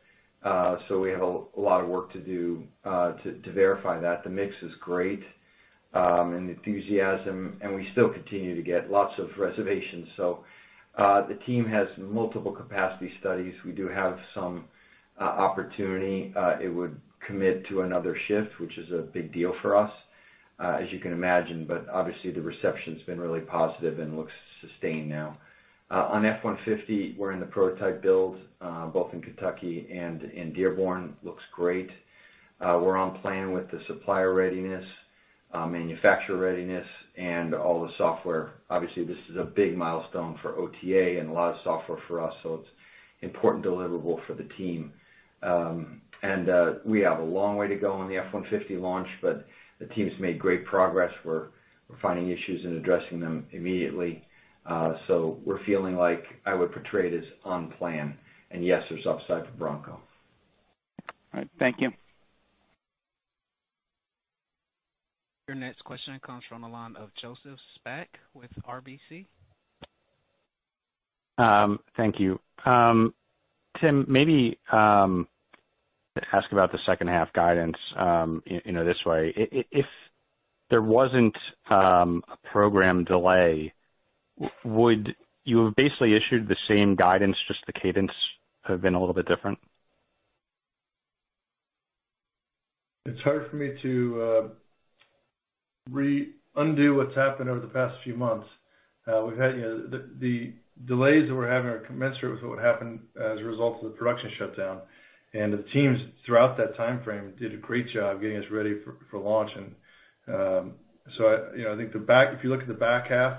We have a lot of work to do to verify that. The mix is great, and the enthusiasm, and we still continue to get lots of reservations. The team has multiple capacity studies. We do have some opportunity. It would commit to another shift, which is a big deal for us, as you can imagine. Obviously, the reception's been really positive and looks sustained now. On F-150, we're in the prototype build, both in Kentucky and in Dearborn. Looks great. We're on plan with the supplier readiness, manufacture readiness, and all the software. Obviously, this is a big milestone for OTA and a lot of software for us, so it's important deliverable for the team. We have a long way to go on the F-150 launch, but the team's made great progress. We're finding issues and addressing them immediately. We're feeling like I would portray it as on plan. Yes, there's upside for Bronco. All right. Thank you. Your next question comes from the line of Joseph Spak with RBC. Thank you. Tim, maybe to ask about the second half guidance this way. If there wasn't a program delay, would you have basically issued the same guidance, just the cadence have been a little bit different? It's hard for me to undo what's happened over the past few months. The delays that we're having are commensurate with what happened as a result of the production shutdown. The teams throughout that timeframe did a great job getting us ready for launch. I think if you look at the back half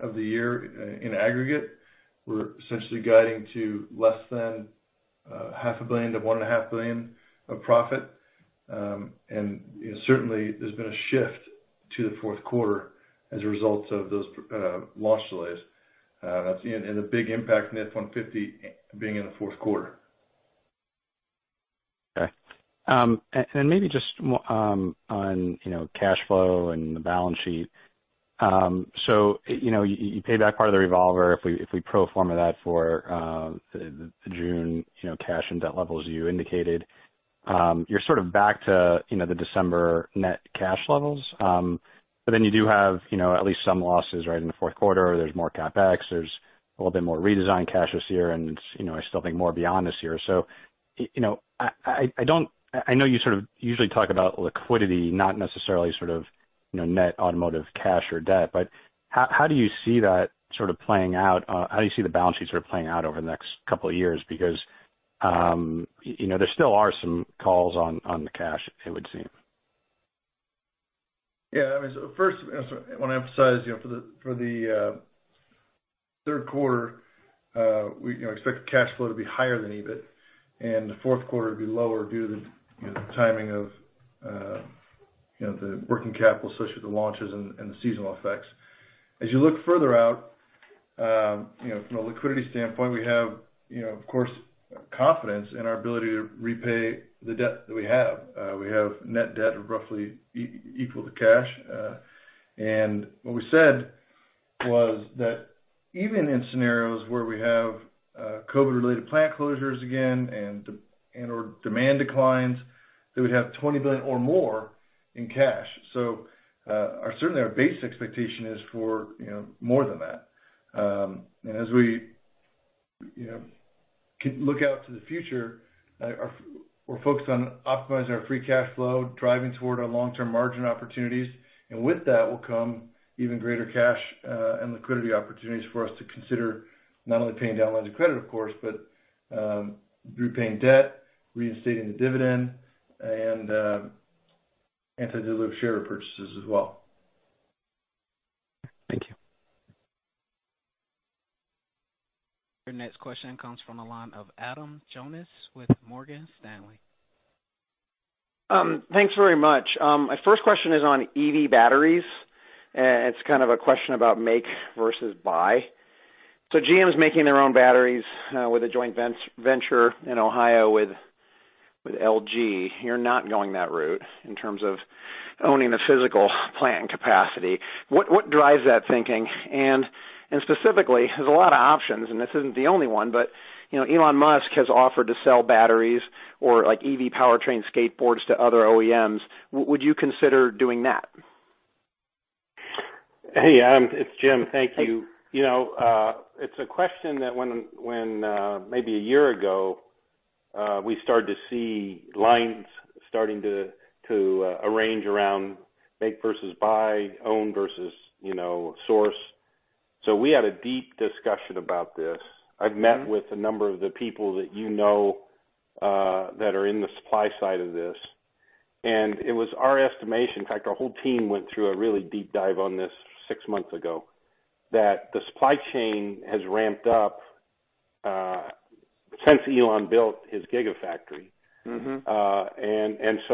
of the year in aggregate, we're essentially guiding to less than half a billion to one and a half billion of profit. Certainly, there's been a shift to the fourth quarter as a result of those launch delays and a big impact in F-150 being in the fourth quarter. Okay. Maybe just on cash flow and the balance sheet. You pay back part of the revolver. If we pro forma that for the June cash and debt levels you indicated, you're sort of back to the December net cash levels. You do have at least some losses right in the fourth quarter. There's more CapEx, there's a little bit more redesign cash this year, and I still think more beyond this year. I know you sort of usually talk about liquidity, not necessarily net automotive cash or debt, but how do you see that playing out? How do you see the balance sheets playing out over the next couple of years? Because there still are some calls on the cash, it would seem. Yeah. First, I want to emphasize, for the third quarter, we expect cash flow to be higher than EBIT and the fourth quarter to be lower due to the timing of the working capital associated with the launches and the seasonal effects. As you look further out, from a liquidity standpoint, we have, of course, confidence in our ability to repay the debt that we have. We have net debt roughly equal to cash. What we said was that even in scenarios where we have COVID-related plant closures again and/or demand declines, that we'd have $20 billion or more in cash. Certainly our base expectation is for more than that. As we look out to the future, we're focused on optimizing our free cash flow, driving toward our long-term margin opportunities, and with that will come even greater cash and liquidity opportunities for us to consider not only paying down lines of credit, of course, but repaying debt, reinstating the dividend, and to deliver share repurchases as well. Thank you. Your next question comes from the line of Adam Jonas with Morgan Stanley. Thanks very much. My first question is on EV batteries. It's kind of a question about make versus buy. GM is making their own batteries with a joint venture in Ohio with LG. You're not going that route in terms of owning the physical plant capacity. What drives that thinking? Specifically, there's a lot of options, and this isn't the only one, but Elon Musk has offered to sell batteries or EV powertrain skateboards to other OEMs. Would you consider doing that? Hey, Adam. It's Jim. Thank you. It's a question that when maybe a year ago, we started to see lines starting to arrange around make versus buy, own versus source. We had a deep discussion about this. I've met with a number of the people that you know that are in the supply side of this. It was our estimation, in fact, our whole team went through a really deep dive on this six months ago, that the supply chain has ramped up since Elon built his Gigafactory.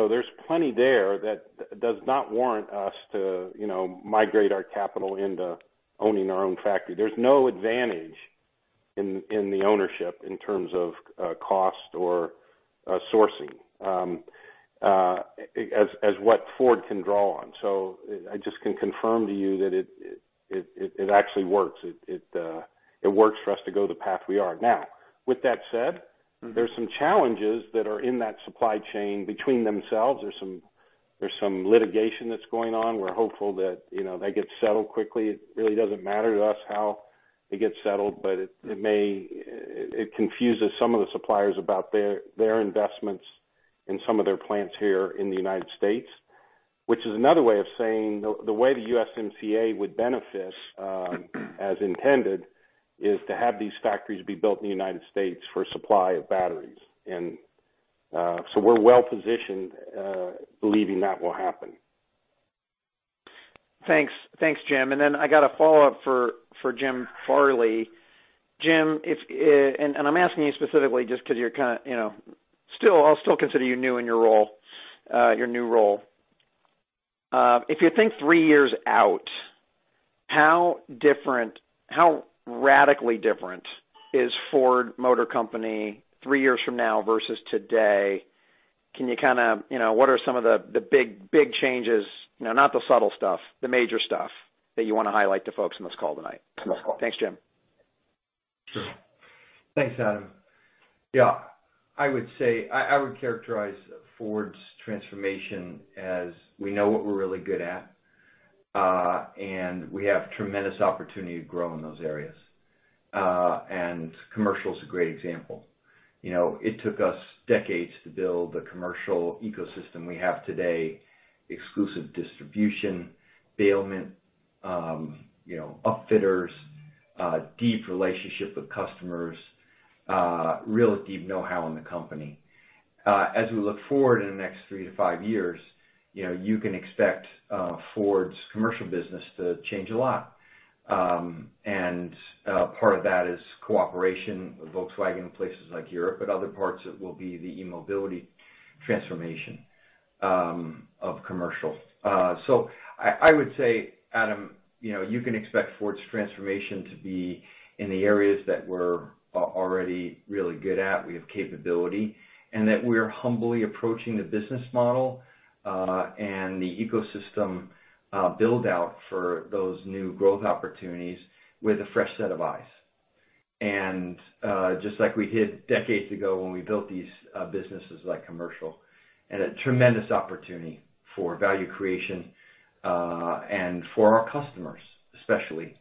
There's plenty there that does not warrant us to migrate our capital into owning our own factory. There's no advantage in the ownership in terms of cost or sourcing as what Ford can draw on. I just can confirm to you that it actually works. It works for us to go the path we are. Now, with that said- There's some challenges that are in that supply chain between themselves. There's some litigation that's going on. We're hopeful that they get settled quickly. It really doesn't matter to us how it gets settled, but it confuses some of the suppliers about their investments in some of their plants here in the United States, which is another way of saying, the way the USMCA would benefit as intended, is to have these factories be built in the United States for supply of batteries. We're well-positioned, believing that will happen. Thanks, Jim. I got a follow-up for Jim Farley. Jim, and I'm asking you specifically just because I'll still consider you new in your new role. If you think three years out, how radically different is Ford Motor Company three years from now versus today? What are some of the big changes, not the subtle stuff, the major stuff that you want to highlight to folks on this call tonight? Thanks, Jim. Sure. Thanks, Adam. Yeah, I would characterize Ford's transformation as we know what we're really good at. We have tremendous opportunity to grow in those areas. Commercial is a great example. It took us decades to build the commercial ecosystem we have today, exclusive distribution, bailment, upfitters, deep relationship with customers, real deep know-how in the company. As we look forward in the next three to five years, you can expect Ford's commercial business to change a lot. Part of that is cooperation with Volkswagen in places like Europe, but other parts of it will be the e-mobility transformation of commercial. I would say, Adam, you can expect Ford's transformation to be in the areas that we're already really good at, we have capability, and that we are humbly approaching the business model, and the ecosystem build-out for those new growth opportunities with a fresh set of eyes. Just like we did decades ago when we built these businesses like commercial, and a tremendous opportunity for value creation, and for our customers, especially.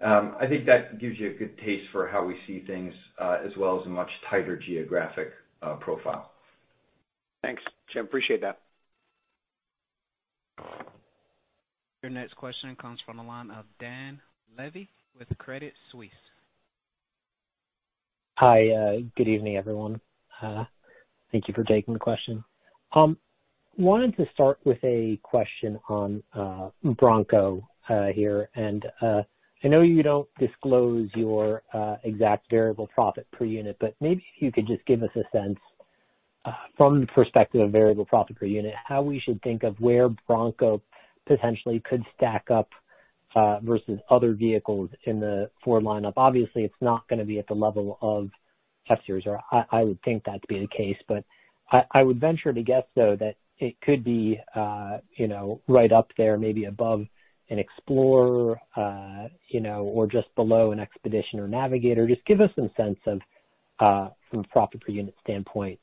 I think that gives you a good taste for how we see things, as well as a much tighter geographic profile. Thanks, Jim. Appreciate that. Your next question comes from the line of Dan Levy with Credit Suisse. Hi. Good evening, everyone. Thank you for taking the question. I wanted to start with a question on Bronco here. I know you don't disclose your exact variable profit per unit, but maybe if you could just give us a sense, from the perspective of variable profit per unit, how we should think of where Bronco potentially could stack up, versus other vehicles in the Ford lineup. Obviously, it's not going to be at the level of F-Series, or I would think that to be the case. I would venture to guess, though, that it could be right up there, maybe above an Explorer, or just below an Expedition or Navigator. Just give us some sense of, from a profit per unit standpoint,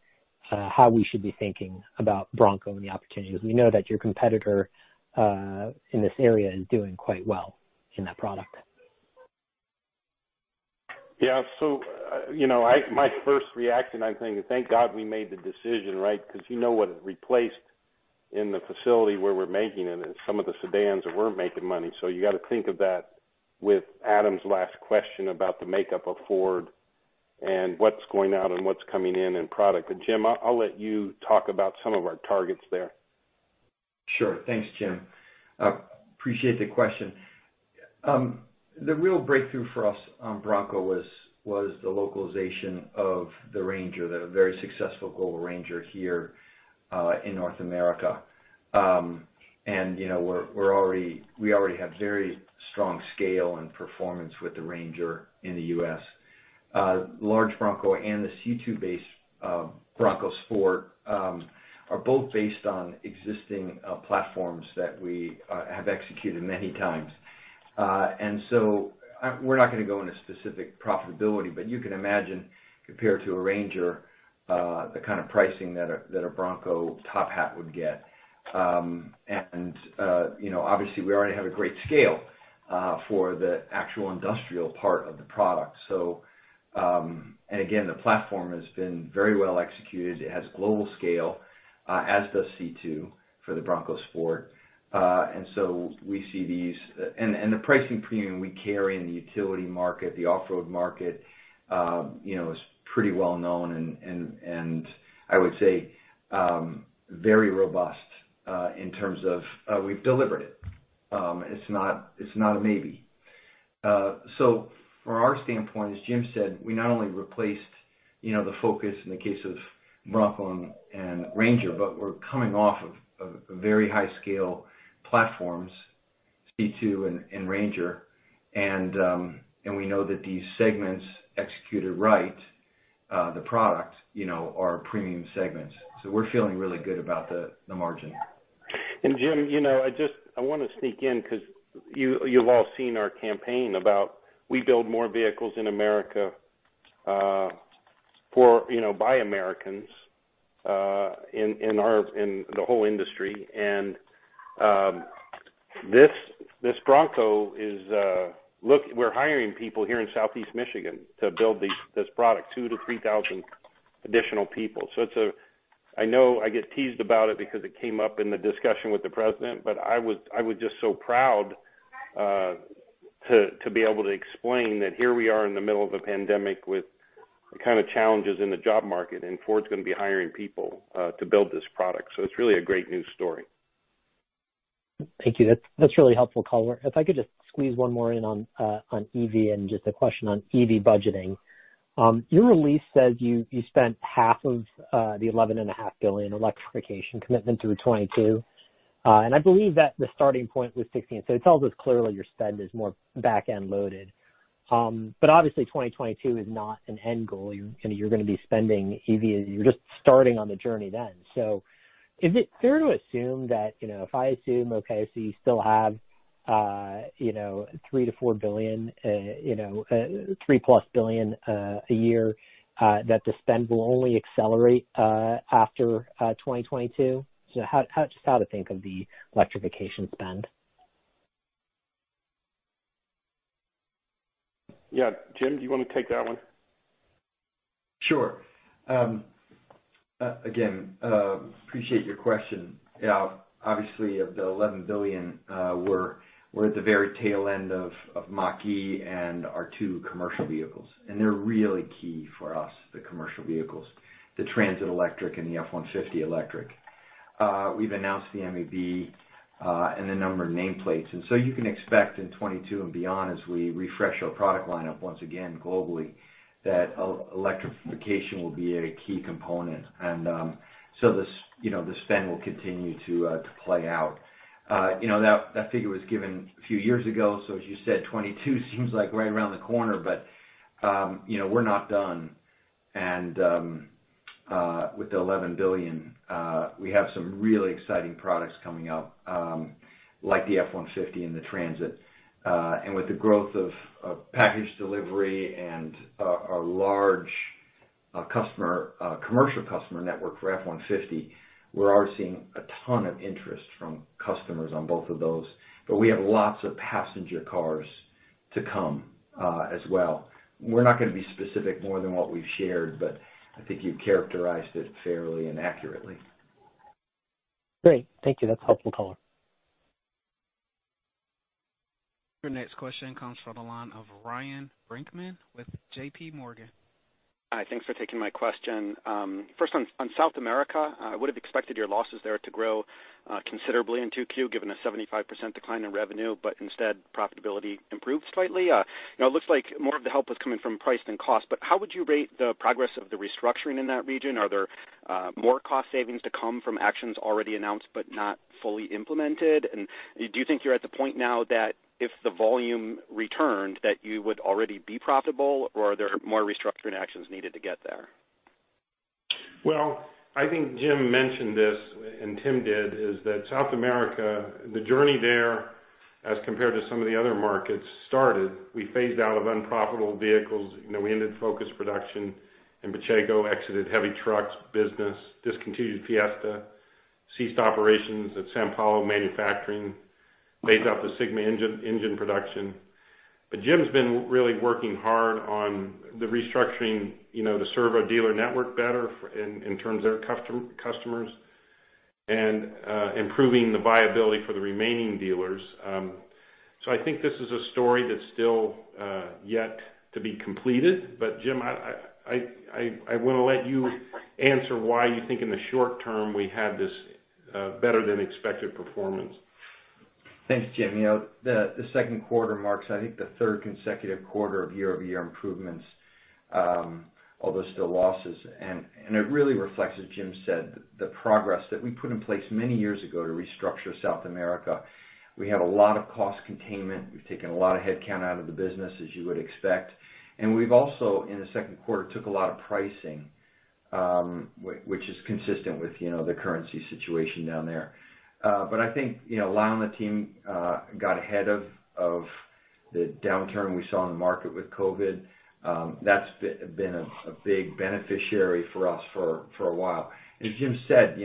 how we should be thinking about Bronco and the opportunity. Because we know that your competitor in this area is doing quite well in that product. Yeah. My first reaction, I'm thinking, thank God we made the decision, right? Because you know what it replaced in the facility where we're making it is some of the sedans that weren't making money. You got to think of that with Adam's last question about the makeup of Ford and what's going out and what's coming in, and product. Jim, I'll let you talk about some of our targets there. Sure. Thanks, Jim. Appreciate the question. The real breakthrough for us on Bronco was the localization of the Ranger, the very successful global Ranger here in North America. We already have very strong scale and performance with the Ranger in the U.S. Large Bronco and this C2-based Bronco Sport are both based on existing platforms that we have executed many times. We're not going to go into specific profitability, but you can imagine, compared to a Ranger, the kind of pricing that a Bronco top hat would get. Obviously we already have a great scale for the actual industrial part of the product. Again, the platform has been very well executed. It has global scale, as does C2 for the Bronco Sport. The pricing premium we carry in the utility market, the off-road market, is pretty well known and I would say very robust in terms of we've delivered it. It's not a maybe. From our standpoint, as Jim said, we not only replaced the Focus in the case of Bronco and Ranger, but we're coming off of very high scale platforms, C2 and Ranger. We know that these segments executed right, the product, are premium segments. We're feeling really good about the margin. Jim, I want to sneak in because you've all seen our campaign about how we build more vehicles in America by Americans in the whole industry. This Bronco, we're hiring people here in Southeast Michigan to build this product, 2,000-3,000 additional people. I know I get teased about it because it came up in the discussion with the president, but I was just so proud to be able to explain that here we are in the middle of a pandemic with the kind of challenges in the job market, and Ford's going to be hiring people to build this product. It's really a great news story. Thank you. That's really helpful color. If I could just squeeze one more in on EV and just a question on EV budgeting. Your release says you spent half of the $11.5 billion electrification commitment through 2022, and I believe that the starting point was 16. It tells us clearly your spend is more back-end loaded. Obviously 2022 is not an end goal. You're going to be spending EV, and you're just starting on the journey then. Is it fair to assume that you still have $3 billion-$4 billion, $3+ billion a year, that the spend will only accelerate after 2022? Just how to think of the electrification spend. Yeah. Jim, do you want to take that one? Sure. Again, appreciate your question. Obviously of the $11 billion, we're at the very tail end of Mach-E and our two commercial vehicles, and they're really key for us, the commercial vehicles, the Transit electric and the F-150 electric. We've announced the MEB and a number of nameplates. You can expect in 2022 and beyond, as we refresh our product lineup, once again, globally, that electrification will be a key component. The spend will continue to play out. That figure was given a few years ago, so as you said, 2022 seems like right around the corner, but we're not done. With the $11 billion, we have some really exciting products coming up, like the F-150 and the Transit. With the growth of package delivery and our large commercial customer network for F-150, we're already seeing a ton of interest from customers on both of those. We have lots of passenger cars to come as well. We're not going to be specific more than what we've shared, but I think you've characterized it fairly and accurately. Great. Thank you. That's a helpful color. Your next question comes from the line of Ryan Brinkman with JPMorgan. Hi, thanks for taking my question. First on South America, I would've expected your losses there to grow considerably in 2Q, given a 75% decline in revenue, but instead, profitability improved slightly. It looks like more of the help was coming from price than cost, but how would you rate the progress of the restructuring in that region? Are there more cost savings to come from actions already announced but not fully implemented? Do you think you're at the point now that if the volume returned, that you would already be profitable, or are there more restructuring actions needed to get there? Well, I think Jim mentioned this, and Tim did, is that South America, the journey there as compared to some of the other markets started. We phased out of unprofitable vehicles. We ended Focus production in Pacheco, exited heavy trucks business, discontinued Fiesta, ceased operations at São Paulo manufacturing, phased out the Sigma engine production. Jim's been really working hard on the restructuring to serve our dealer network better in terms of their customers, and improving the viability for the remaining dealers. I think this is a story that's still yet to be completed. Jim, I want to let you answer why you think in the short term, we had this better than expected performance. Thanks, Jim. The second quarter marks I think the third consecutive quarter of year-over-year improvements, although still losses. It really reflects, as Jim said, the progress that we put in place many years ago to restructure South America. We have a lot of cost containment. We've taken a lot of headcount out of the business, as you would expect. We've also, in the second quarter, took a lot of pricing which is consistent with the currency situation down there. I think [Lima] team got ahead of the downturn we saw in the market with COVID. That's been a big beneficiary for us for a while. As Jim said,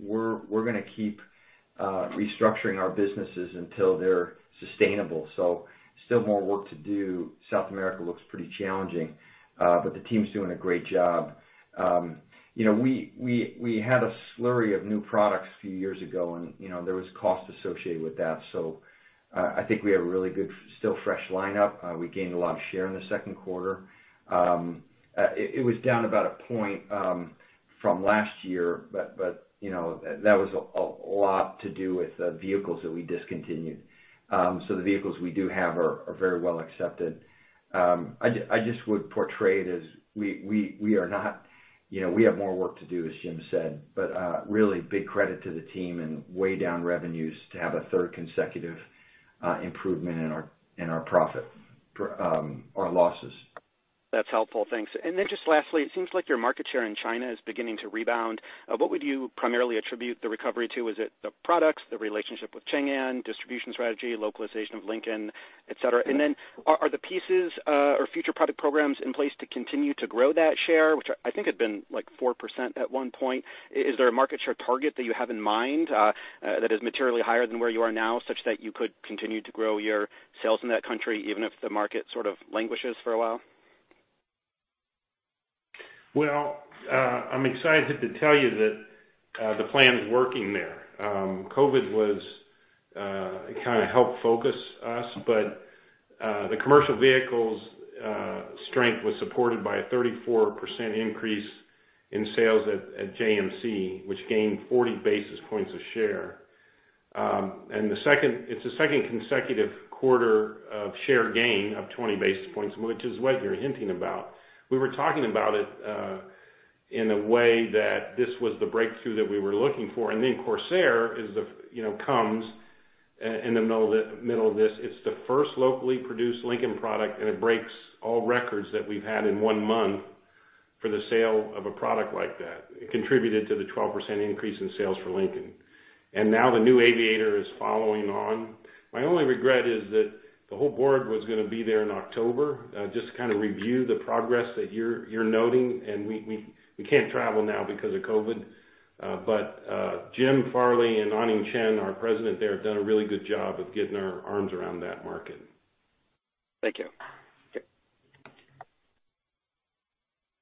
we're going to keep restructuring our businesses until they're sustainable. Still more work to do. South America looks pretty challenging. The team's doing a great job. We had a slurry of new products a few years ago, and there was cost associated with that. I think we have a really good, still fresh lineup. We gained a lot of share in the second quarter. It was down about a point from last year, but that was a lot to do with the vehicles that we discontinued. The vehicles we do have are very well accepted. I just would portray it as we have more work to do, as Jim said, but really big credit to the team and weighed down revenues to have a third consecutive improvement in our profit, or losses. That's helpful. Thanks. Just lastly, it seems like your market share in China is beginning to rebound. What would you primarily attribute the recovery to? Is it the products, the relationship with Chang'an, distribution strategy, localization of Lincoln, et cetera? are the pieces or future product programs in place to continue to grow that share, which I think had been 4% at one point? Is there a market share target that you have in mind that is materially higher than where you are now, such that you could continue to grow your sales in that country even if the market sort of languishes for a while? Well, I'm excited to tell you that the plan's working there. COVID kind of helped focus us, but the commercial vehicles strength was supported by a 34% increase in sales at JMC, which gained 40 basis points of share. It's the second consecutive quarter of share gain of 20 basis points, which is what you're hinting about. We were talking about it in a way that this was the breakthrough that we were looking for. Corsair comes in the middle of this. It's the first locally produced Lincoln product, and it breaks all records that we've had in one month for the sale of a product like that. It contributed to the 12% increase in sales for Lincoln. Now the new Aviator is following on. My only regret is that the whole board was going to be there in October just to kind of review the progress that you're noting, and we can't travel now because of COVID. Jim Farley and Anning Chen, our president there, have done a really good job of getting our arms around that market. Thank you. Okay.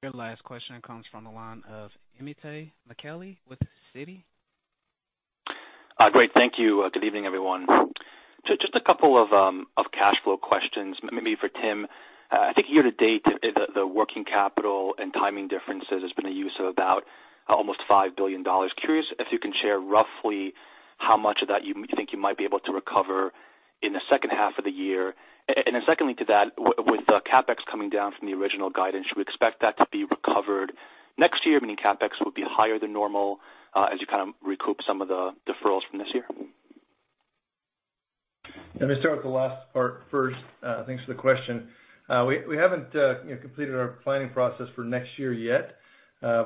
Your last question comes from the line of Itay Michaeli with Citi. Great. Thank you. Good evening, everyone. Just a couple of cash flow questions, maybe for Tim. I think year-to-date, the working capital and timing differences has been a use of about almost $5 billion. Curious if you can share roughly how much of that you think you might be able to recover in the second half of the year. Secondly to that, with the CapEx coming down from the original guidance, we expect that to be recovered next year, meaning CapEx will be higher than normal as you kind of recoup some of the deferrals from this year. Let me start with the last part first. Thanks for the question. We haven't completed our planning process for next year yet.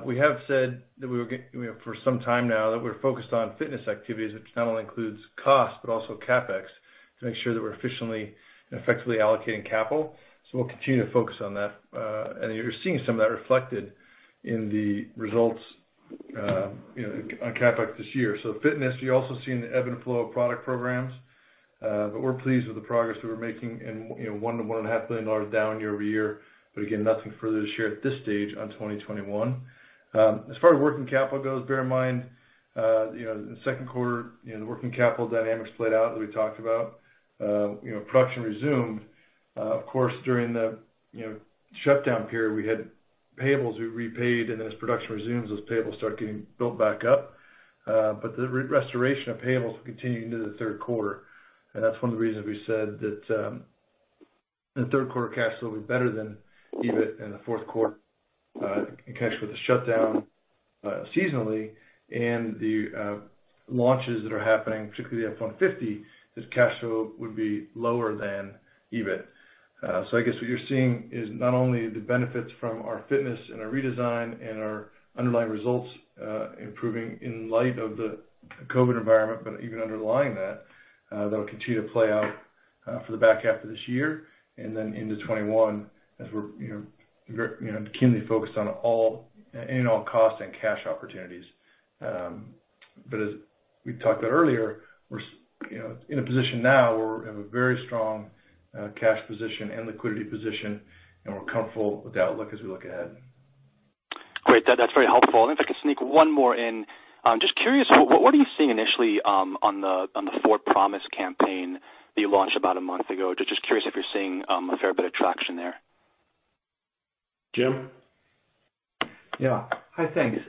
We have said for some time now that we're focused on fitness activities, which not only includes cost, but also CapEx to make sure that we're efficiently and effectively allocating capital. We'll continue to focus on that. You're seeing some of that reflected in the results on CapEx this year. Fitness, you're also seeing the ebb and flow of product programs. We're pleased with the progress we're making in $1 billion-$1.5 billion down year-over-year. Again, nothing further to share at this stage on 2021. As far as working capital goes, bear in mind, the second quarter, the working capital dynamics played out that we talked about. Production resumed. Of course, during the shutdown period, we had payables we repaid, and then as production resumes, those payables start getting built back up. The restoration of payables will continue into the third quarter. That's one of the reasons we said that the third quarter cash flow will be better than EBIT in the fourth quarter in connection with the shutdown seasonally and the launches that are happening, particularly the F-150, this cash flow would be lower than EBIT. I guess what you're seeing is not only the benefits from our fitness and our redesign and our underlying results improving in light of the COVID environment, but even underlying that'll continue to play out for the back half of this year and then into 2021 as we're keenly focused in all cost and cash opportunities. As we talked about earlier, we're in a position now where we have a very strong cash position and liquidity position, and we're comfortable with the outlook as we look ahead. Great. That's very helpful. If I can sneak one more in, just curious, what are you seeing initially on the Ford Promise campaign that you launched about a month ago? Just curious if you're seeing a fair bit of traction there. Jim? Yeah. Hi. Thanks.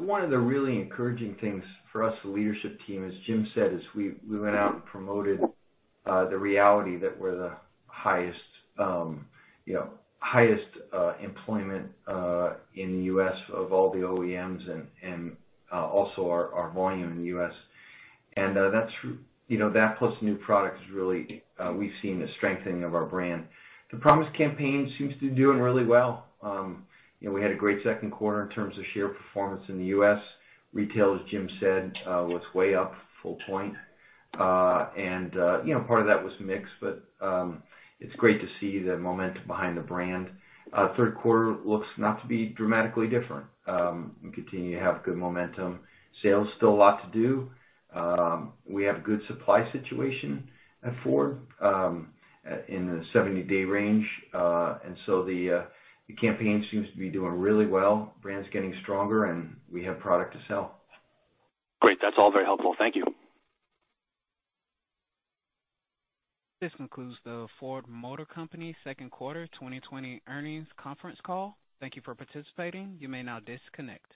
One of the really encouraging things for us, the leadership team, as Jim said, is we went out and promoted the reality that we're the highest employment in the U.S. of all the OEMs and also our volume in the U.S. That, plus new products, we've seen the strengthening of our brand. The Promise campaign seems to be doing really well. We had a great second quarter in terms of share performance in the U.S. Retail, as Jim said, was way up a full point. Part of that was mix, but it's great to see the momentum behind the brand. Third quarter looks not to be dramatically different. We continue to have good momentum. Sales, still a lot to do. We have good supply situation at Ford in the 70-day range. The campaign seems to be doing really well. Brand's getting stronger, and we have product to sell. Great. That's all very helpful. Thank you. This concludes the Ford Motor Company second quarter 2020 earnings conference call. Thank you for participating. You may now disconnect.